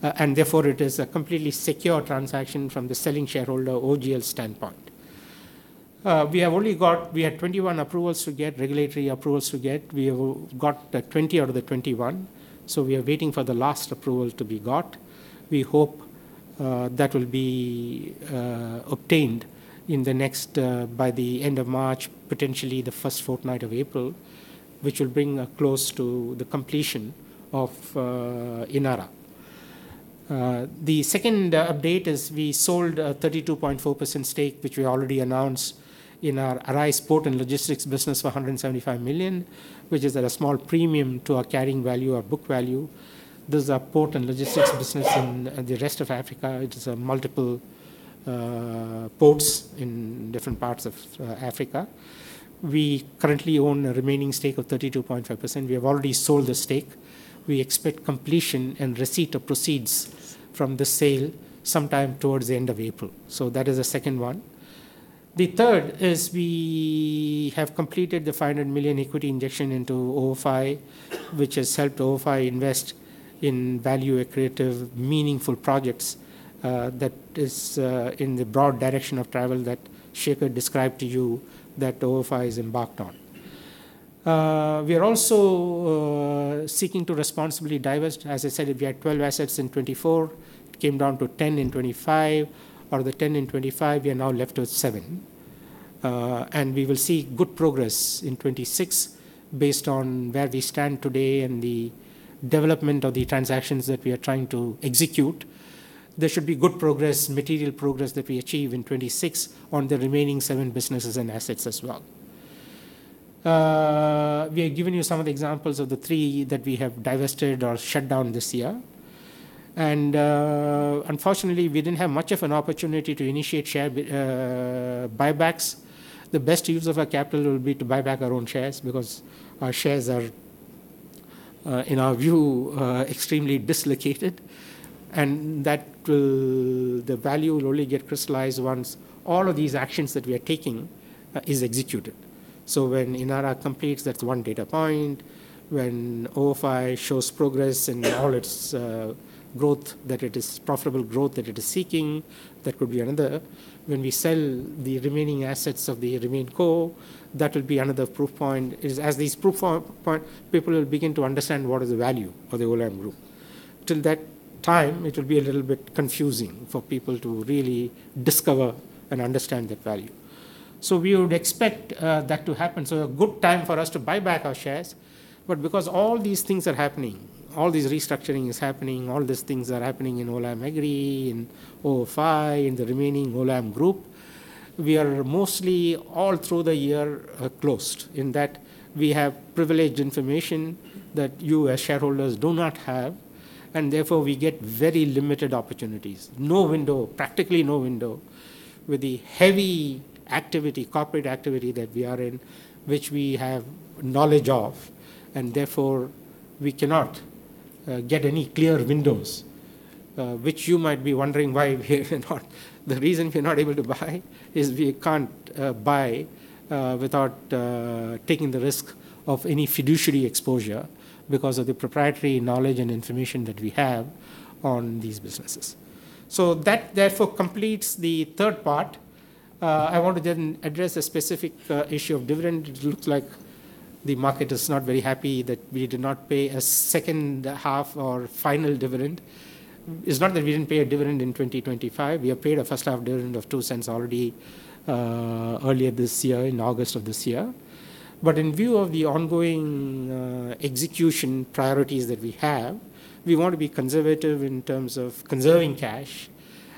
Therefore, it is a completely secure transaction from the selling shareholder, OGL standpoint. We had 21 approvals to get, regulatory approvals to get. We have got the 20 out of the 21, we are waiting for the last approval to be got. We hope that will be obtained in the next by the end of March, potentially the first fortnight of April, which will bring a close to the completion of Inara. The second update is we sold a 32.4% stake, which we already announced in our Arise Ports & Logistics business for $175 million, which is at a small premium to our carrying value or book value. This is our port and logistics business in the rest of Africa. It is multiple ports in different parts of Africa. We currently own a remaining stake of 32.5%. We have already sold the stake. We expect completion and receipt of proceeds from the sale sometime towards the end of April. That is the second one. The third is we have completed the $500 million equity injection into ofi, which has helped ofi invest in value and creative, meaningful projects, that is, in the broad direction of travel that Shekhar described to you, that ofi is embarked on. We are also seeking to responsibly divest. As I said, if we had 12 assets in 2024, it came down to 10 in 2025. Out of the 10 in 2025, we are now left with 7. And we will see good progress in 2026, based on where we stand today and the development of the transactions that we are trying to execute. There should be good progress, material progress, that we achieve in 2026 on the remaining 7 businesses and assets as well. We have given you some of the examples of the three that we have divested or shut down this year, and unfortunately, we didn't have much of an opportunity to initiate share buybacks. The best use of our capital would be to buy back our own shares, because our shares are, in our view, extremely dislocated, and the value will only get crystallized once all of these actions that we are taking, is executed. When Inara completes, that's one data point. When ofi shows progress in all its growth, that it is profitable growth that it is seeking, that could be another. When we sell the remaining assets of the RemainCo, that will be another proof point. As these proof point, people will begin to understand what is the value of the Olam Group. Till that time, it will be a little bit confusing for people to really discover and understand that value. We would expect that to happen, so a good time for us to buy back our shares. Because all these things are happening, all this restructuring is happening, all these things are happening in Olam Agri, in ofi, in the remaining Olam Group, we are mostly, all through the year, closed, in that we have privileged information that you as shareholders do not have, and therefore, we get very limited opportunities. No window, practically no window, with the heavy activity, corporate activity that we are in, which we have knowledge of, and therefore, we cannot get any clear windows, which you might be wondering why we are not... The reason we're not able to buy is we can't buy without taking the risk of any fiduciary exposure because of the proprietary knowledge and information that we have on these businesses. That therefore completes the third part. I want to then address a specific issue of dividend. It looks like the market is not very happy that we did not pay a second half or final dividend. It's not that we didn't pay a dividend in 2025. We have paid a first half dividend of 0.02 already earlier this year, in August of this year. In view of the ongoing execution priorities that we have, we want to be conservative in terms of conserving cash.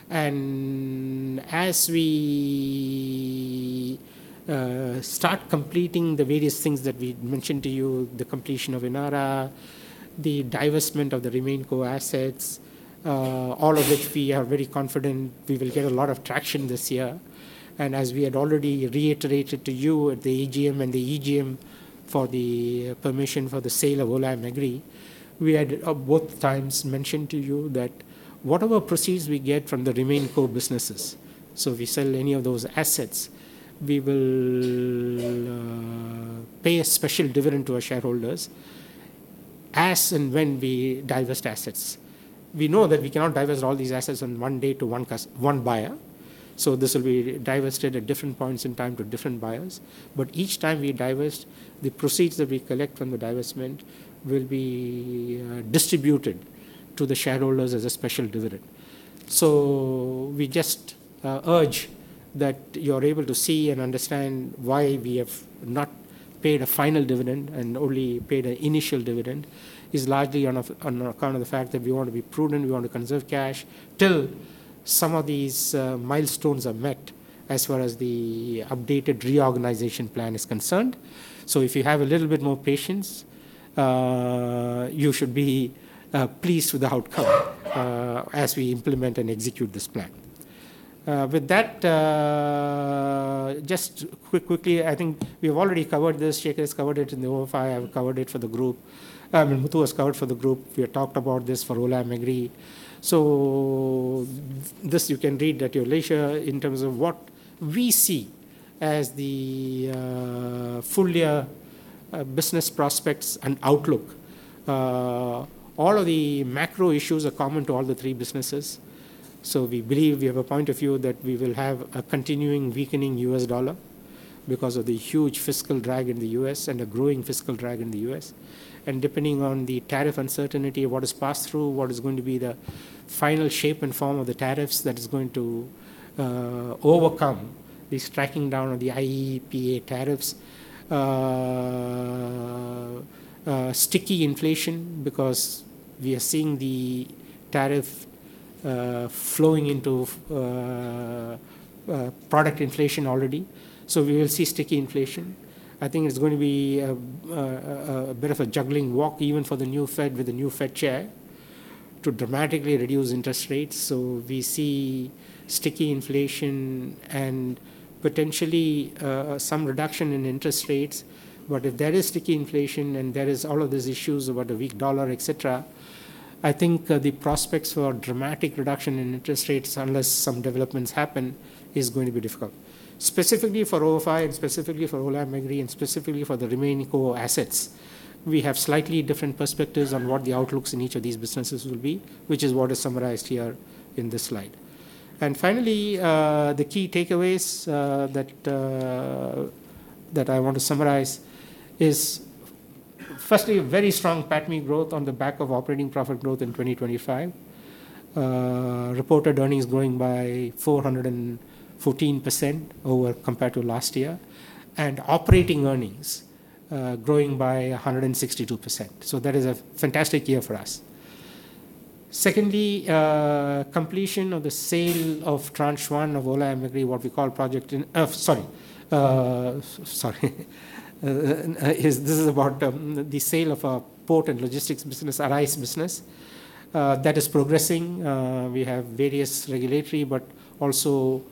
As we start completing the various things that we mentioned to you, the completion of Inara, the divestment of the RemainCo assets, all of which we are very confident we will get a lot of traction this year. As we had already reiterated to you at the AGM and the EGM for the permission for the sale of Olam Agri, we had both times mentioned to you that whatever proceeds we get from the RemainCo businesses, so if we sell any of those assets, we will pay a special dividend to our shareholders as and when we divest assets. We know that we cannot divest all these assets on one day to one buyer, so this will be divested at different points in time to different buyers. Each time we divest, the proceeds that we collect from the divestment will be distributed to the shareholders as a special dividend. We just urge that you are able to see and understand why we have not paid a final dividend and only paid an initial dividend. It's largely on account of the fact that we want to be prudent, we want to conserve cash till some of these milestones are met, as far as the updated reorganization plan is concerned. If you have a little bit more patience, you should be pleased with the outcome as we implement and execute this plan. With that, quickly, I think we've already covered this. Shekhar has covered it in the ofi. I've covered it for the group. I mean, Muthu has covered for the group. We have talked about this for Olam Agri. This you can read at your leisure in terms of what we see as the full year business prospects and outlook. All of the macro issues are common to all the three businesses. We believe we have a point of view that we will have a continuing weakening US dollar because of the huge fiscal drag in the US and a growing fiscal drag in the US. Depending on the tariff uncertainty, what is passed through, what is going to be the final shape and form of the tariffs that is going to overcome this tracking down of the IEEPA tariffs. Sticky inflation, because we are seeing the tariff flowing into product inflation already, we will see sticky inflation. I think it's going to be a bit of a juggling walk, even for the new Fed with the new Fed chair, to dramatically reduce interest rates. We see sticky inflation and potentially some reduction in interest rates. If there is sticky inflation and there is all of these issues about the weak dollar, et cetera. I think the prospects for a dramatic reduction in interest rates, unless some developments happen, is going to be difficult. Specifically for ofi, and specifically for Olam Agri, and specifically for the remaining core assets, we have slightly different perspectives on what the outlooks in each of these businesses will be, which is what is summarized here in this slide. Finally, the key takeaways that I want to summarize is, firstly, a very strong PATMI growth on the back of operating profit growth in 2025. Reported earnings growing by 414% over compared to last year, and operating earnings growing by 162%. That is a fantastic year for us. Secondly, completion of the sale of Tranche 1 of Olam Agri, what we call is this is about the sale of our port and logistics business, ARISE business. That is progressing. We have various regulatory, but also,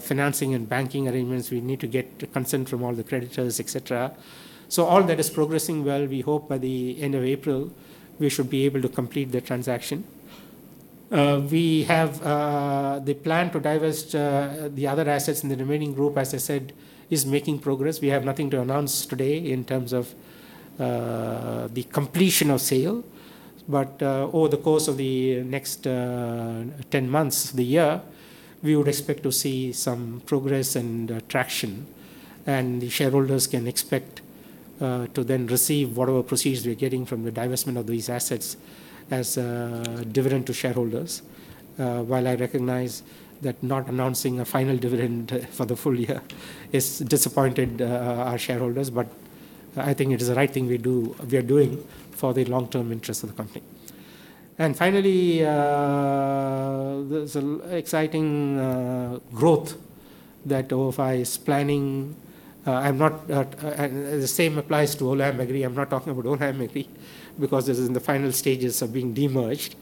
financing and banking arrangements. We need to get consent from all the creditors, et cetera. All that is progressing well. We hope by the end of April, we should be able to complete the transaction. We have the plan to divest the other assets in the remaining group, as I said, is making progress. We have nothing to announce today in terms of the completion of sale. Over the course of the next 10 months, the year, we would expect to see some progress and traction, and the shareholders can expect to then receive whatever proceeds we're getting from the divestment of these assets as a dividend to shareholders. While I recognize that not announcing a final dividend for the full year has disappointed our shareholders, but I think it is the right thing we are doing for the long-term interest of the company. Finally, there's an exciting growth that ofi is planning. I'm not, and the same applies to Olam Agri. I'm not talking about Olam Agri, because this is in the final stages of being de-merged.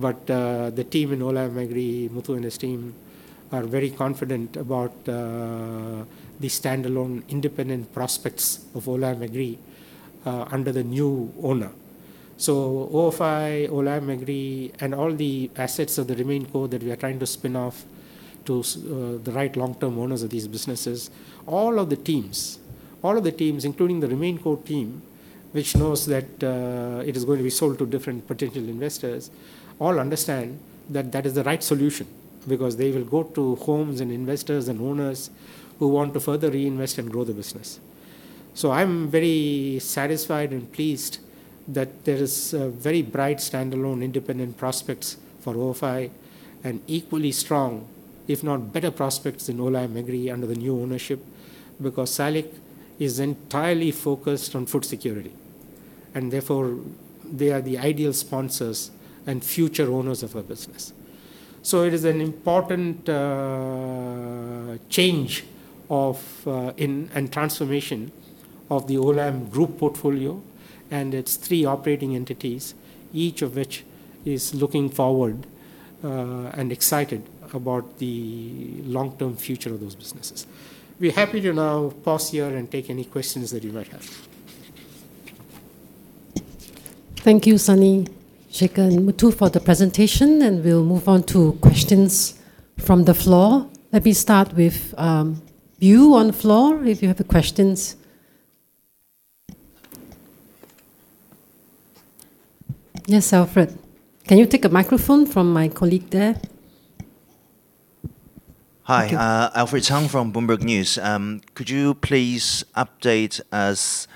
The team in Olam Agri, Muthu and his team, are very confident about the standalone independent prospects of Olam Agri, under the new owner. ofi, Olam Agri, and all the assets of the RemainCo that we are trying to spin off to the right long-term owners of these businesses, all of the teams, including the RemainCo team, which knows that it is going to be sold to different potential investors, all understand that that is the right solution because they will go to homes, and investors, and owners who want to further reinvest and grow the business. I'm very satisfied and pleased that there is a very bright standalone, independent prospects for ofi, and equally strong, if not better, prospects in Olam Agri under the new ownership, because SALIC is entirely focused on food security, and therefore, they are the ideal sponsors and future owners of our business. It is an important change of and transformation of the Olam Group portfolio and its three operating entities, each of which is looking forward and excited about the long-term future of those businesses. We're happy to now pause here and take any questions that you might have. Thank you, Sunny, Shekhar, and Muthu, for the presentation, and we'll move on to questions from the floor. Let me start with you on the floor, if you have the questions. Yes, Alfred. Can you take a microphone from my colleague there? Hi. Thank you. Alfred Cang from Bloomberg News. Could you please update us,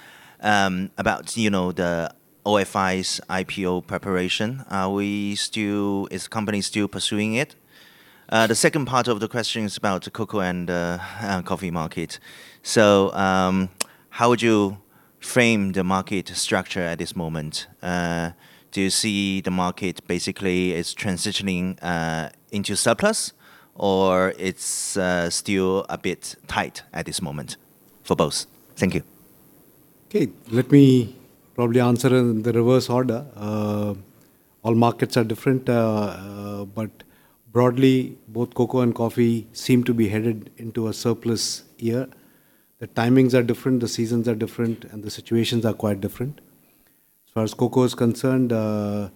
you know, the ofi's IPO preparation? Is the company still pursuing it? The second part of the question is about the cocoa and coffee market. How would you frame the market structure at this moment? Do you see the market basically as transitioning into surplus, or it's still a bit tight at this moment for both? Thank you. Okay. Let me probably answer in the reverse order. All markets are different, but broadly, both cocoa and coffee seem to be headed into a surplus year. The timings are different, the seasons are different, and the situations are quite different. As far as cocoa is concerned, there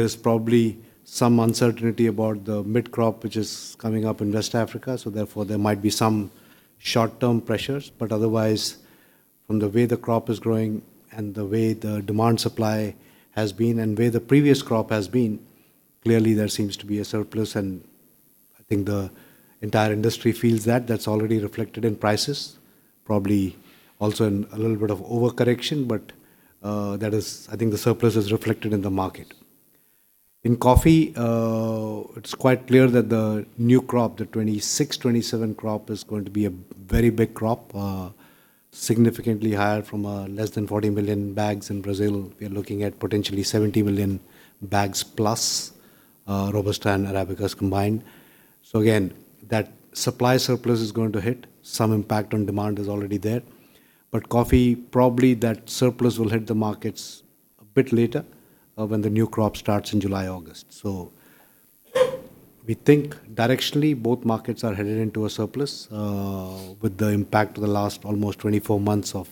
is probably some uncertainty about the mid-crop, which is coming up in West Africa, so therefore, there might be some short-term pressures. Otherwise, from the way the crop is growing and the way the demand-supply has been and where the previous crop has been, clearly there seems to be a surplus, and I think the entire industry feels that. That's already reflected in prices, probably also in a little bit of overcorrection, but that is... I think the surplus is reflected in the market. In coffee, it's quite clear that the new crop, the 2026, 2027 crop, is going to be a very big crop, significantly higher from less than 40 million bags in Brazil. We're looking at potentially 70 million bags plus, Robusta and Arabicas combined. Again, that supply surplus is going to hit. Some impact on demand is already there. Coffee, probably that surplus will hit the markets a bit later, when the new crop starts in July, August. We think directionally, both markets are headed into a surplus, with the impact of the last almost 24 months of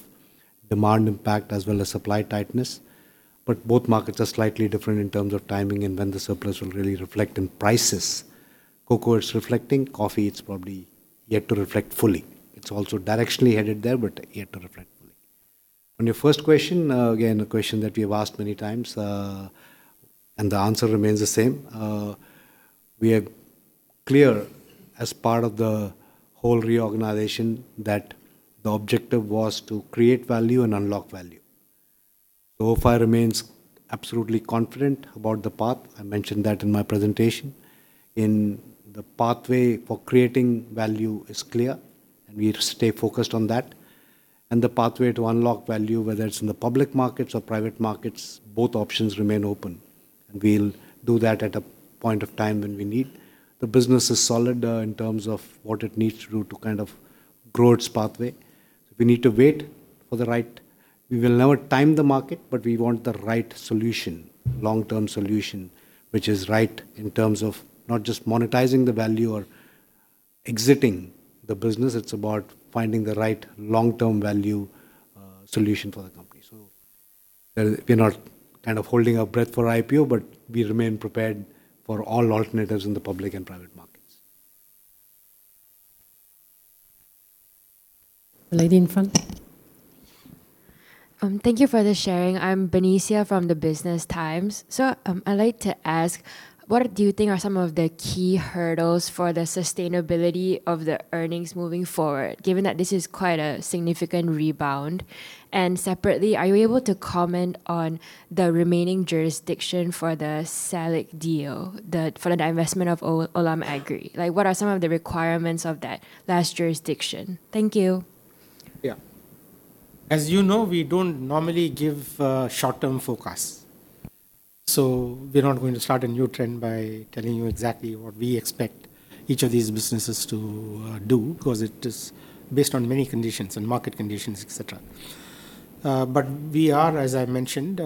demand impact, as well as supply tightness. Both markets are slightly different in terms of timing and when the surplus will really reflect in prices. Cocoa is reflecting, coffee, it's probably yet to reflect fully. It's also directionally headed there, but yet to reflect fully. On your first question, again, a question that we have asked many times, and the answer remains the same. We are clear, as part of the whole reorganization, that the objective was to create value and unlock value. ofi remains absolutely confident about the path, I mentioned that in my presentation. In the pathway for creating value is clear, and we stay focused on that. The pathway to unlock value, whether it's in the public markets or private markets, both options remain open. We'll do that at a point of time when we need. The business is solid, in terms of what it needs to do to kind of grow its pathway. We will never time the market, but we want the right solution, long-term solution, which is right in terms of not just monetizing the value or exiting the business, it's about finding the right long-term value, solution for the company. We're not kind of holding our breath for IPO, but we remain prepared for all alternatives in the public and private markets. The lady in front. Thank you for the sharing. I'm Benicia from The Business Times. I'd like to ask, what do you think are some of the key hurdles for the sustainability of the earnings moving forward, given that this is quite a significant rebound? Separately, are you able to comment on the remaining jurisdiction for the SALIC deal, for the divestment of Olam Agri? Like, what are some of the requirements of that last jurisdiction? Thank you. Yeah. As you know, we don't normally give short-term forecasts. We're not going to start a new trend by telling you exactly what we expect each of these businesses to do, because it is based on many conditions and market conditions, et cetera. We are, as I mentioned,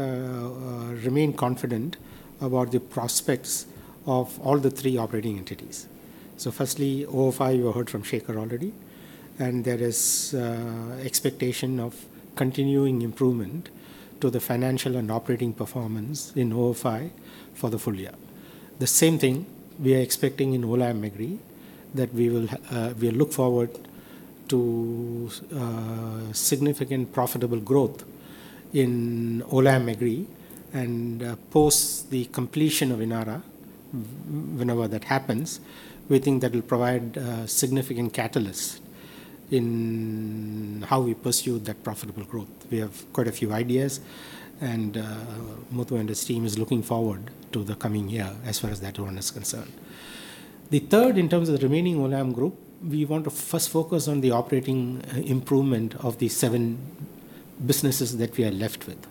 remain confident about the prospects of all the three operating entities. Firstly, ofi, you heard from Shekhar already, and there is expectation of continuing improvement to the financial and operating performance in ofi for the full year. The same thing we are expecting in Olam Agri, that we look forward to significant profitable growth in Olam Agri. Post the completion of Inara, whenever that happens, we think that will provide significant catalyst in how we pursue that profitable growth. We have quite a few ideas, and Muthu and his team is looking forward to the coming year as far as that one is concerned. The third, in terms of the remaining Olam Group, we want to first focus on the operating improvement of the seven businesses that we are left with.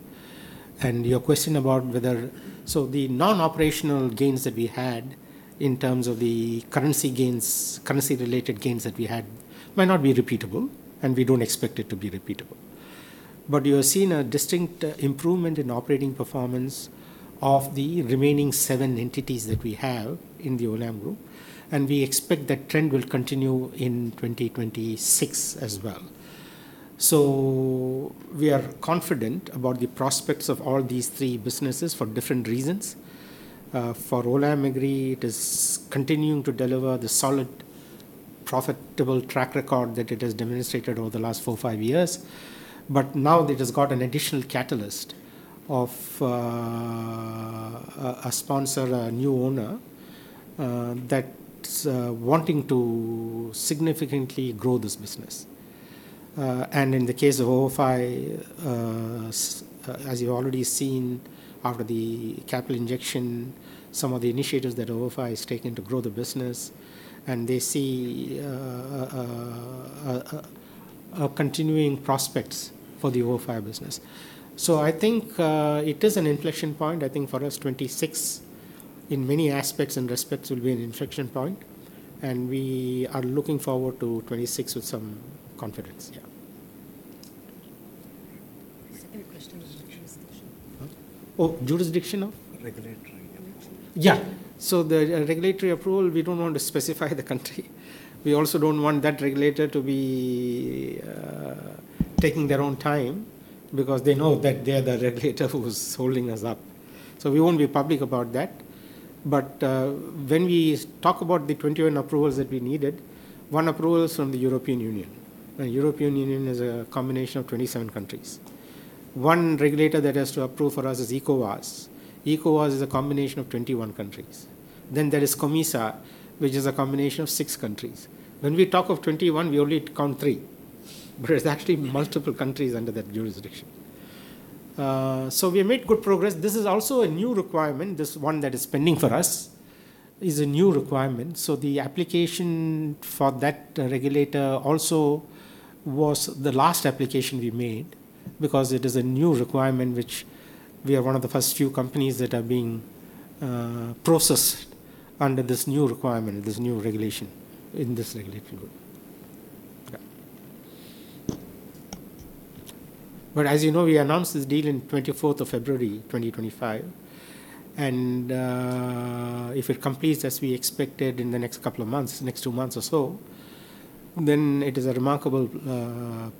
Your question about whether. The non-operational gains that we had in terms of the currency gains, currency-related gains that we had, might not be repeatable, and we don't expect it to be repeatable. You have seen a distinct improvement in operating performance of the remaining seven entities that we have in the Olam Group, and we expect that trend will continue in 2026 as well. We are confident about the prospects of all these three businesses for different reasons. For Olam Agri, it is continuing to deliver the solid, profitable track record that it has demonstrated over the last four, five years. Now it has got an additional catalyst of a sponsor, a new owner that's wanting to significantly grow this business. In the case of ofi, as you've already seen, after the capital injection, some of the initiatives that ofi has taken to grow the business, and they see a continuing prospects for the ofi business. I think it is an inflection point. I think for us, 2026, in many aspects and respects, will be an inflection point, and we are looking forward to 2026 with some confidence. Yeah. Any question on jurisdiction? Oh, jurisdiction of? Regulatory. Yeah. The regulatory approval, we don't want to specify the country. We also don't want that regulator to be taking their own time, because they know that they are the regulator who is holding us up. We won't be public about that. When we talk about the 21 approvals that we needed, one approval is from the European Union. The European Union is a combination of 27 countries. One regulator that has to approve for us is ECOWAS. ECOWAS is a combination of 21 countries. There is COMESA, which is a combination of six countries. When we talk of 21, we only count 3, but there's actually multiple countries under that jurisdiction. We made good progress. This is also a new requirement. This one that is pending for us, is a new requirement. The application for that regulator also was the last application we made, because it is a new requirement which we are one of the first few companies that are being processed under this new requirement, this new regulation in this regulatory group. As you know, we announced this deal in 24th of February, 2025, and if it completes as we expected in the next couple of months, next 2 months or so, then it is a remarkable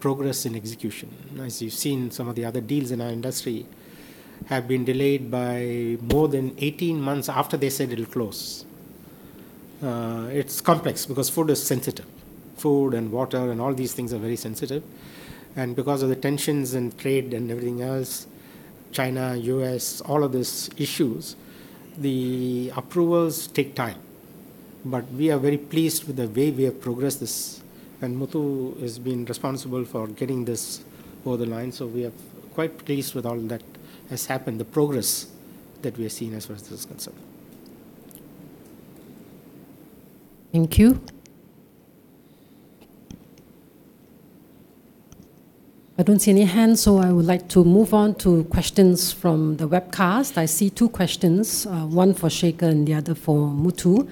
progress in execution. As you've seen, some of the other deals in our industry have been delayed by more than 18 months after they said it'll close. It's complex because food is sensitive. Food and water, and all these things are very sensitive, and because of the tensions in trade and everything else, China, U.S., all of these issues, the approvals take time. We are very pleased with the way we have progressed this, and Muthu has been responsible for getting this over the line. We are quite pleased with all that has happened, the progress that we are seeing as far as this is concerned. Thank you. I don't see any hands. I would like to move on to questions from the webcast. I see two questions, one for Shekhar and the other for Muthu.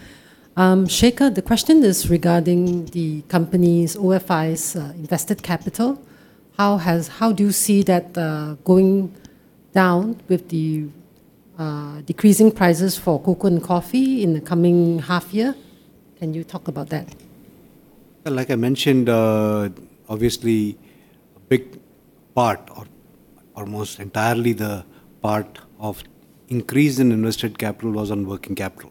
Shekhar, the question is regarding the company's ofi's invested capital. How do you see that going down with the decreasing prices for cocoa and coffee in the coming half year? Can you talk about that? Like I mentioned, obviously, a big part or almost entirely the part of increase in invested capital was on working capital.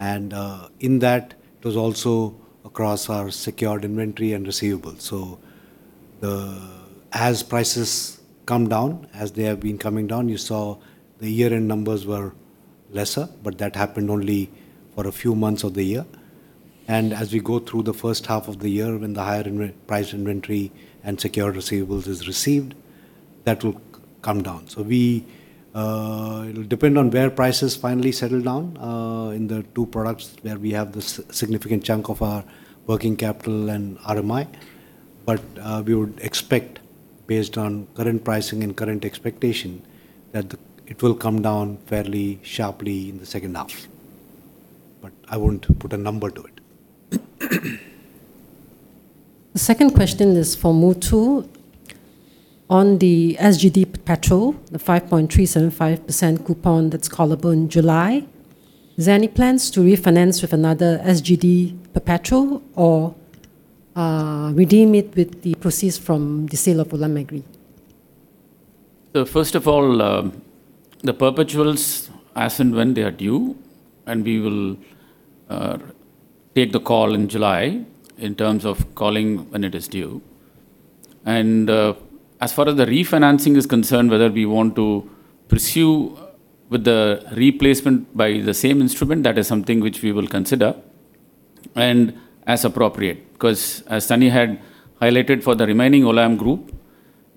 In that, it was also across our secured inventory and receivables. As prices come down, as they have been coming down, you saw the year-end numbers were lesser, but that happened only for a few months of the year. As we go through the first half of the year, when the higher priced inventory and secured receivables is received, that will come down. We, it'll depend on where prices finally settle down in the two products where we have the significant chunk of our working capital and RMI. We would expect, based on current pricing and current expectation, that it will come down fairly sharply in the second half. I won't put a number to it. The second question is for Muthu. On the SGD Perpetual, the 5.375% coupon that's callable in July, is there any plans to refinance with another SGD Perpetual or redeem it with the proceeds from the sale of Olam Agri? First of all, the Perpetuals, as and when they are due, we will take the call in July in terms of calling when it is due. As far as the refinancing is concerned, whether we want to pursue with the replacement by the same instrument, that is something which we will consider and as appropriate. 'Cause as Sunny had highlighted for the remaining Olam Group,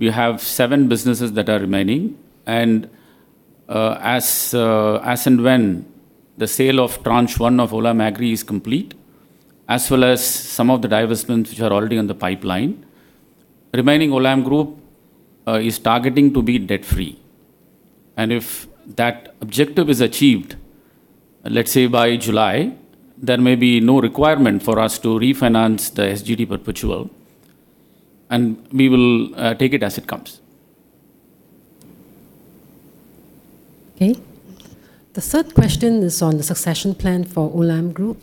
we have seven businesses that are remaining, as and when the sale of Tranche 1 of Olam Agri is complete, as well as some of the divestments which are already on the pipeline, remaining Olam Group is targeting to be debt-free. If that objective is achieved, let's say by July, there may be no requirement for us to refinance the SGD Perpetual, we will take it as it comes. Okay. The third question is on the succession plan for Olam Group.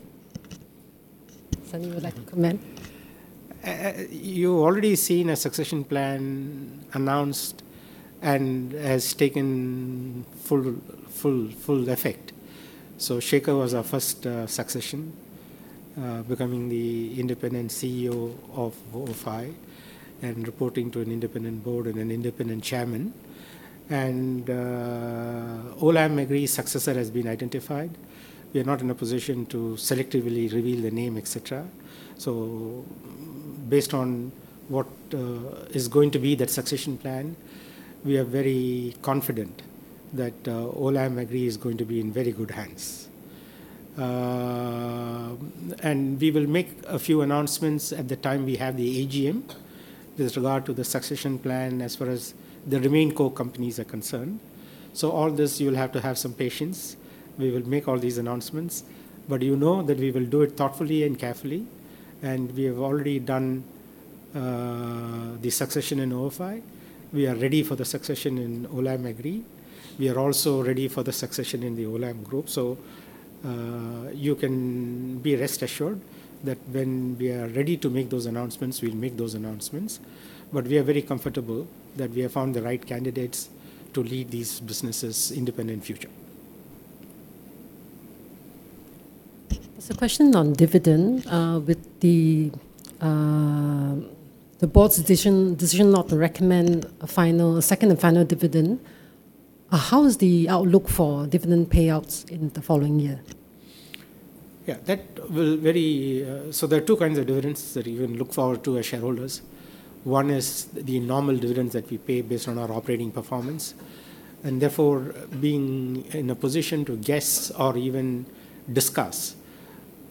Sunny, would you like to comment? You've already seen a succession plan announced and has taken full effect. Shekhar was our first succession, becoming the independent CEO of ofi and reporting to an independent board and an independent chairman. Olam Agri successor has been identified. We are not in a position to selectively reveal the name, et cetera. Based on what is going to be that succession plan, we are very confident that Olam Agri is going to be in very good hands. We will make a few announcements at the time we have the AGM with regard to the succession plan, as far as the remaining core companies are concerned. All this, you will have to have some patience. We will make all these announcements. You know that we will do it thoughtfully and carefully. We have already done the succession in ofi. We are ready for the succession in Olam Agri. We are also ready for the succession in the Olam Group. You can be rest assured that when we are ready to make those announcements, we'll make those announcements. We are very comfortable that we have found the right candidates to lead these businesses' independent future. There's a question on dividend, with the board's decision not to recommend a second and final dividend. How is the outlook for dividend payouts in the following year? Yeah, that will very. There are two kinds of dividends that you can look forward to as shareholders. One is the normal dividend that we pay based on our operating performance, and therefore, being in a position to guess or even discuss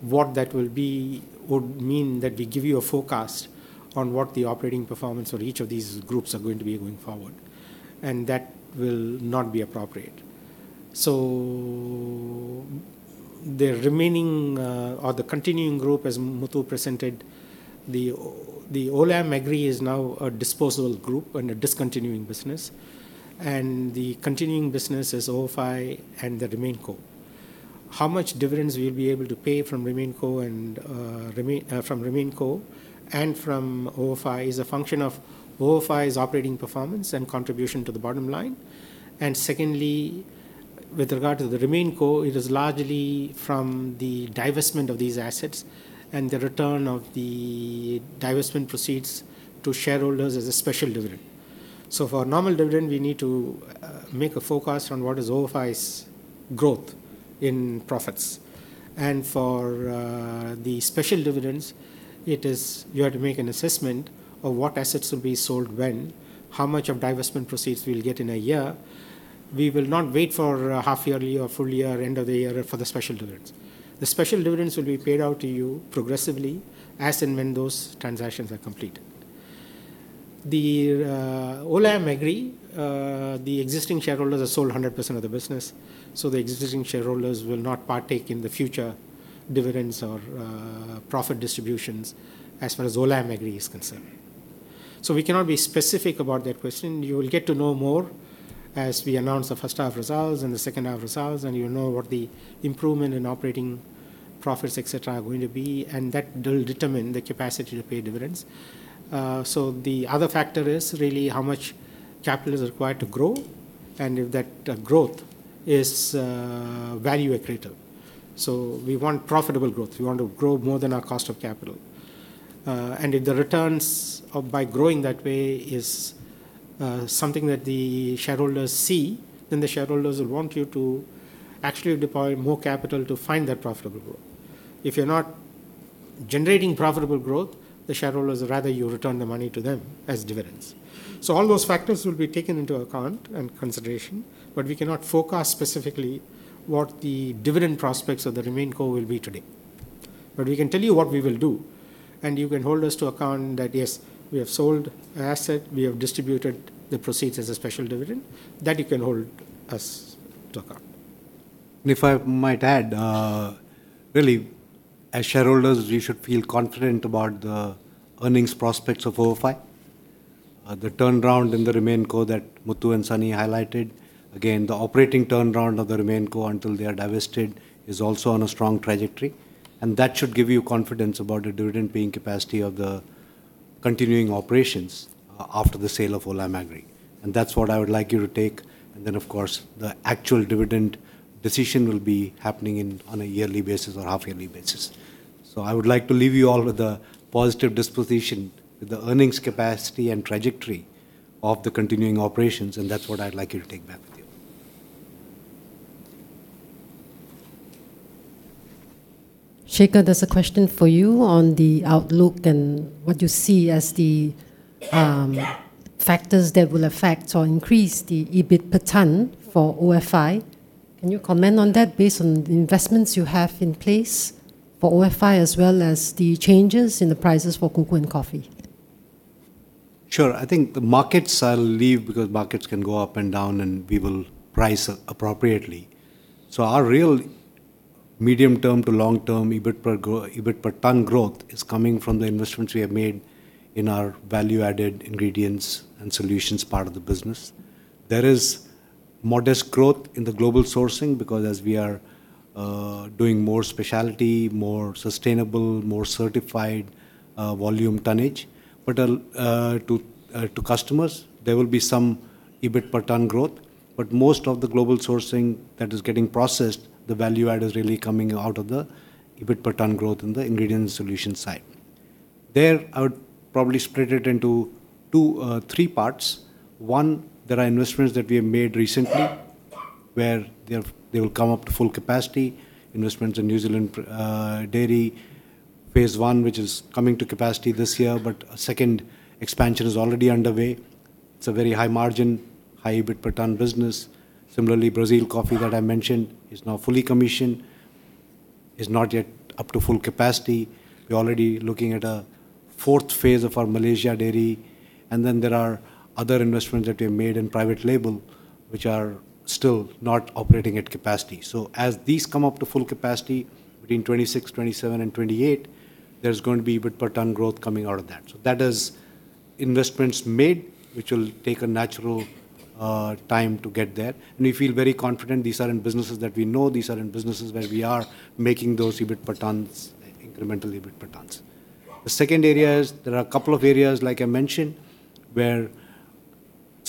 what that will be, would mean that we give you a forecast on what the operating performance of each of these groups are going to be going forward, and that will not be appropriate. The remaining, or the continuing group, as Muthu presented, the Olam Agri is now a disposable group and a discontinuing business. The continuing business is ofi and the RemainCo. How much dividends we'll be able to pay from RemainCo and from ofi is a function of ofi's operating performance and contribution to the bottom line. Secondly, with regard to the RemainCo, it is largely from the divestment of these assets and the return of the divestment proceeds to shareholders as a special dividend. For a normal dividend, we need to make a forecast on what is ofi's growth in profits. For the special dividends, it is, you have to make an assessment of what assets will be sold when, how much of divestment proceeds we will get in a year. We will not wait for a half yearly or full year, end of the year for the special dividends. The special dividends will be paid out to you progressively, as and when those transactions are completed. Olam Agri, the existing shareholders have sold 100% of the business. The existing shareholders will not partake in the future dividends or profit distributions as far as Olam Agri is concerned. We cannot be specific about that question. You will get to know more as we announce the first half results and the second half results, and you'll know what the improvement in operating profits, et cetera, are going to be, and that will determine the capacity to pay dividends. The other factor is really how much capital is required to grow, and if that growth is value accretive. We want profitable growth. We want to grow more than our cost of capital. If the returns of by growing that way is something that the shareholders see, the shareholders will want you to actually deploy more capital to find that profitable growth. If you're not generating profitable growth, the shareholders would rather you return the money to them as dividends. All those factors will be taken into account and consideration, we cannot forecast specifically what the dividend prospects of the RemainCo will be today. We can tell you what we will do, you can hold us to account that, yes, we have sold an asset, we have distributed the proceeds as a special dividend. That you can hold us to account. If I might add, really, as shareholders, you should feel confident about the earnings prospects of ofi. The turnaround in the RemainCo that Muthu and Sunny highlighted, again, the operating turnaround of the RemainCo until they are divested, is also on a strong trajectory, and that should give you confidence about the dividend-paying capacity of the continuing operations after the sale of Olam Agri, and that's what I would like you to take. Then, of course, the actual dividend decision will be happening on a yearly basis or half-yearly basis. I would like to leave you all with a positive disposition, with the earnings capacity and trajectory of the continuing operations, and that's what I'd like you to take back with you. Shekhar, there's a question for you on the outlook and what you see as the factors that will affect or increase the EBIT per ton for OFI. Can you comment on that based on the investments you have in place for OFI, as well as the changes in the prices for cocoa and coffee? Sure. I think the markets, I'll leave, because markets can go up and down, and we will price it appropriately. Our real medium-term to long-term EBIT per ton growth is coming from the investments we have made in our value-added ingredients and solutions part of the business. There is modest growth in the Global Sourcing because as we are doing more specialty, more sustainable, more certified volume tonnage. To customers, there will be some EBIT per ton growth, but most of the Global Sourcing that is getting processed, the value add is really coming out of the EBIT per ton growth in the ingredient solution side. There, I would probably split it into two, three parts. One, there are investments that we have made recently, where they will come up to full capacity. Investments in New Zealand dairy, phase one, which is coming to capacity this year, but a second expansion is already underway. It's a very high margin, high EBIT per ton business. Similarly, Brazil coffee that I mentioned, is now fully commissioned. It's not yet up to full capacity. We're already looking at a fourth phase of our Malaysia dairy, and then there are other investments that we have made in private label, which are still not operating at capacity. As these come up to full capacity between 2026, 2027, and 2028, there's going to be EBIT per ton growth coming out of that. That is investments made, which will take a natural time to get there, and we feel very confident these are in businesses that we know, these are in businesses where we are making those EBIT per tons, incremental EBIT per tons. The second area is, there are a couple of areas, like I mentioned,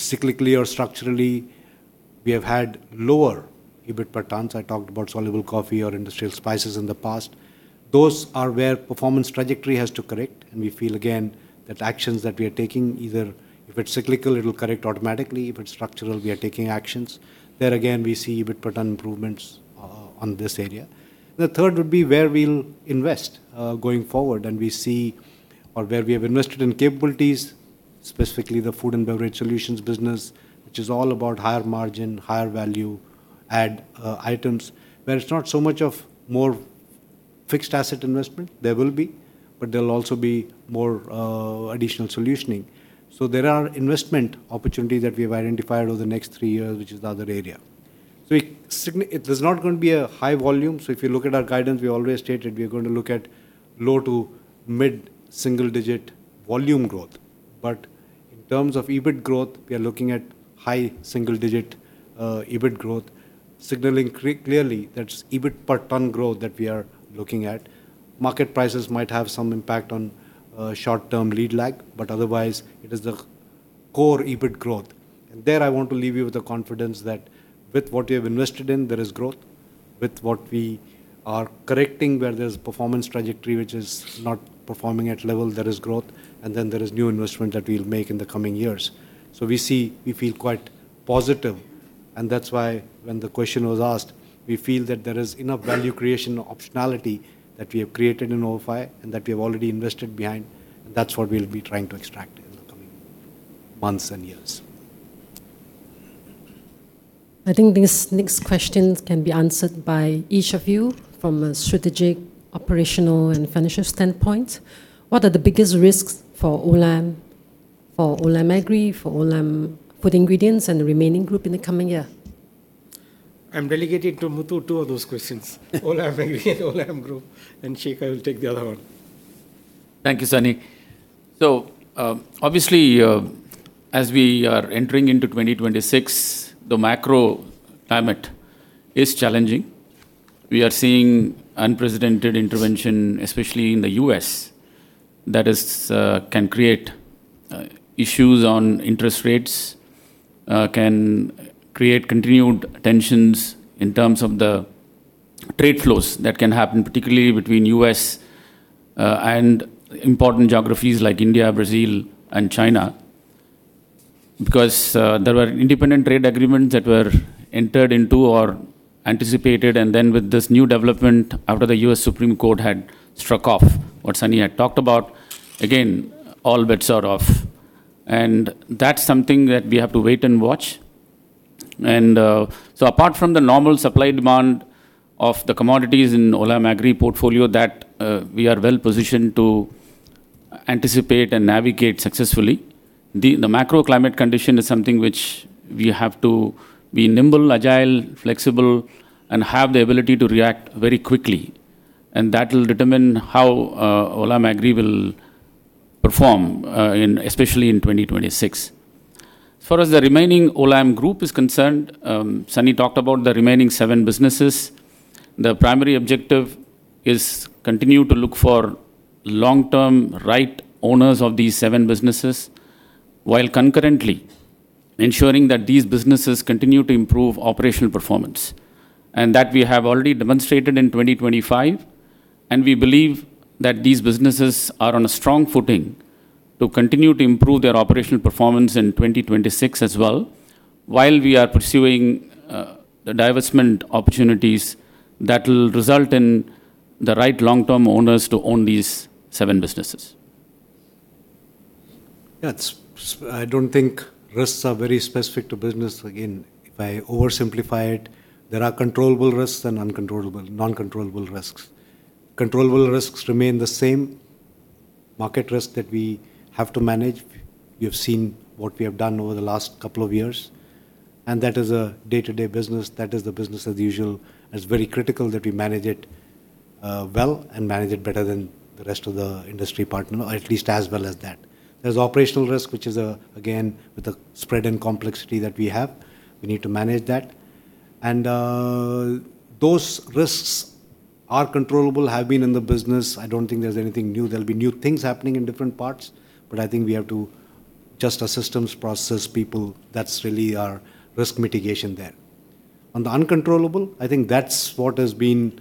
where cyclically or structurally, we have had lower EBIT per ton. I talked about soluble coffee or industrial spices in the past. Those are where performance trajectory has to correct, and we feel again that actions that we are taking, either if it's cyclical, it'll correct automatically, if it's structural, we are taking actions. There again, we see EBIT per ton improvements on this area. The third would be where we'll invest going forward, and we see or where we have invested in capabilities, specifically the Food and Beverage Solutions business, which is all about higher margin, higher value-add items, where it's not so much of fixed asset investment, there will be, but there'll also be more additional solutioning. There are investment opportunities that we have identified over the next three years, which is the other area. We it is not going to be a high volume. If you look at our guidance, we always stated we are going to look at low to mid-single-digit volume growth. In terms of EBIT growth, we are looking at high single-digit EBIT growth, signaling clearly that's EBIT per ton growth that we are looking at. Market prices might have some impact on short-term lead lag, but otherwise, it is the core EBIT growth. There, I want to leave you with the confidence that with what we have invested in, there is growth. With what we are correcting, where there's performance trajectory which is not performing at level, there is growth. There is new investment that we'll make in the coming years. We feel quite positive, and that's why when the question was asked, we feel that there is enough value creation optionality that we have created in ofi and that we have already invested behind, and that's what we'll be trying to extract in the coming months and years. I think this next question can be answered by each of you from a strategic, operational, and financial standpoint. What are the biggest risks for Olam, for Olam Agri, for Olam Food Ingredients, and the remaining group in the coming year? I'm delegating to Muthu two of those questions. Olam Agri and Olam Group. Shekhar, I will take the other one. Thank you, Sunny. Obviously, as we are entering into 2026, the macro climate is challenging. We are seeing unprecedented intervention, especially in the U.S., that is, can create issues on interest rates, can create continued tensions in terms of the trade flows that can happen, particularly between U.S. and important geographies like India, Brazil, and China. Because there were independent trade agreements that were entered into or anticipated, and then with this new development after the U.S. Supreme Court had struck off what Sunny had talked about, again, all bets are off. That's something that we have to wait and watch. Apart from the normal supply-demand of the commodities in Olam Agri portfolio that we are well-positioned to anticipate and navigate successfully, the macro climate condition is something which we have to be nimble, agile, flexible, and have the ability to react very quickly, and that will determine how Olam Agri will perform especially in 2026. As far as the remaining Olam Group is concerned, Sunny talked about the remaining seven businesses. The primary objective is continue to look for long-term, right owners of these seven businesses, while concurrently ensuring that these businesses continue to improve operational performance. That we have already demonstrated in 2025, and we believe that these businesses are on a strong footing to continue to improve their operational performance in 2026 as well, while we are pursuing the divestment opportunities that will result in the right long-term owners to own these seven businesses. Yeah, it's... I don't think risks are very specific to business. Again, if I oversimplify it, there are controllable risks and uncontrollable, non-controllable risks. Controllable risks remain the same: market risk that we have to manage. You've seen what we have done over the last couple of years, and that is a day-to-day business, that is the business as usual. It's very critical that we manage it well, and manage it better than the rest of the industry partner, or at least as well as that. There's operational risk, which is, again, with the spread and complexity that we have, we need to manage that. Those risks are controllable, have been in the business. I don't think there's anything new. There'll be new things happening in different parts. I think we have to adjust our systems, processes, people. That's really our risk mitigation there. On the uncontrollable, I think that's what has been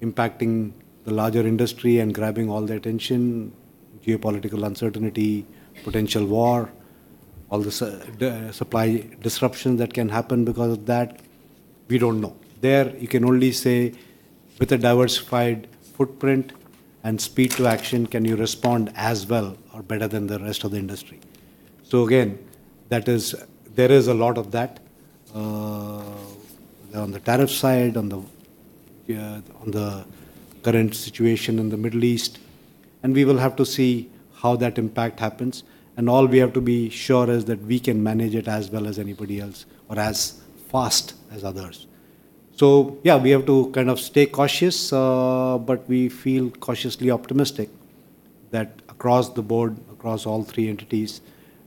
impacting the larger industry and grabbing all the attention: geopolitical uncertainty, potential war, all the supply disruption that can happen because of that. We don't know. There, you can only say with a diversified footprint and speed to action, can you respond as well or better than the rest of the industry? Again, there is a lot of that on the tariff side, on the current situation in the Middle East, and we will have to see how that impact happens. All we have to be sure is that we can manage it as well as anybody else or as fast as others. Yeah, we have to kind of stay cautious, but we feel cautiously optimistic that across the board, across all three entities,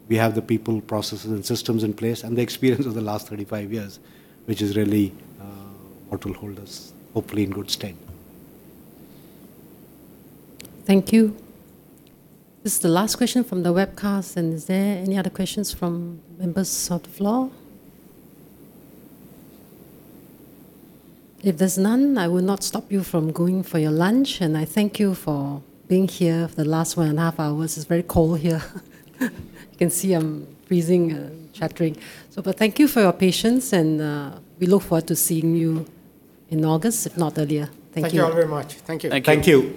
we have the people, processes, and systems in place, and the experience of the last 35 years, which is really, what will hold us hopefully in good stead. Thank you. This is the last question from the webcast, and is there any other questions from members of the floor? If there's none, I will not stop you from going for your lunch, and I thank you for being here for the last one and a half hours. It's very cold here. You can see I'm freezing and chattering. Thank you for your patience, and we look forward to seeing you in August, if not earlier. Thank you. Thank you all very much. Thank you. Thank you. Thank you.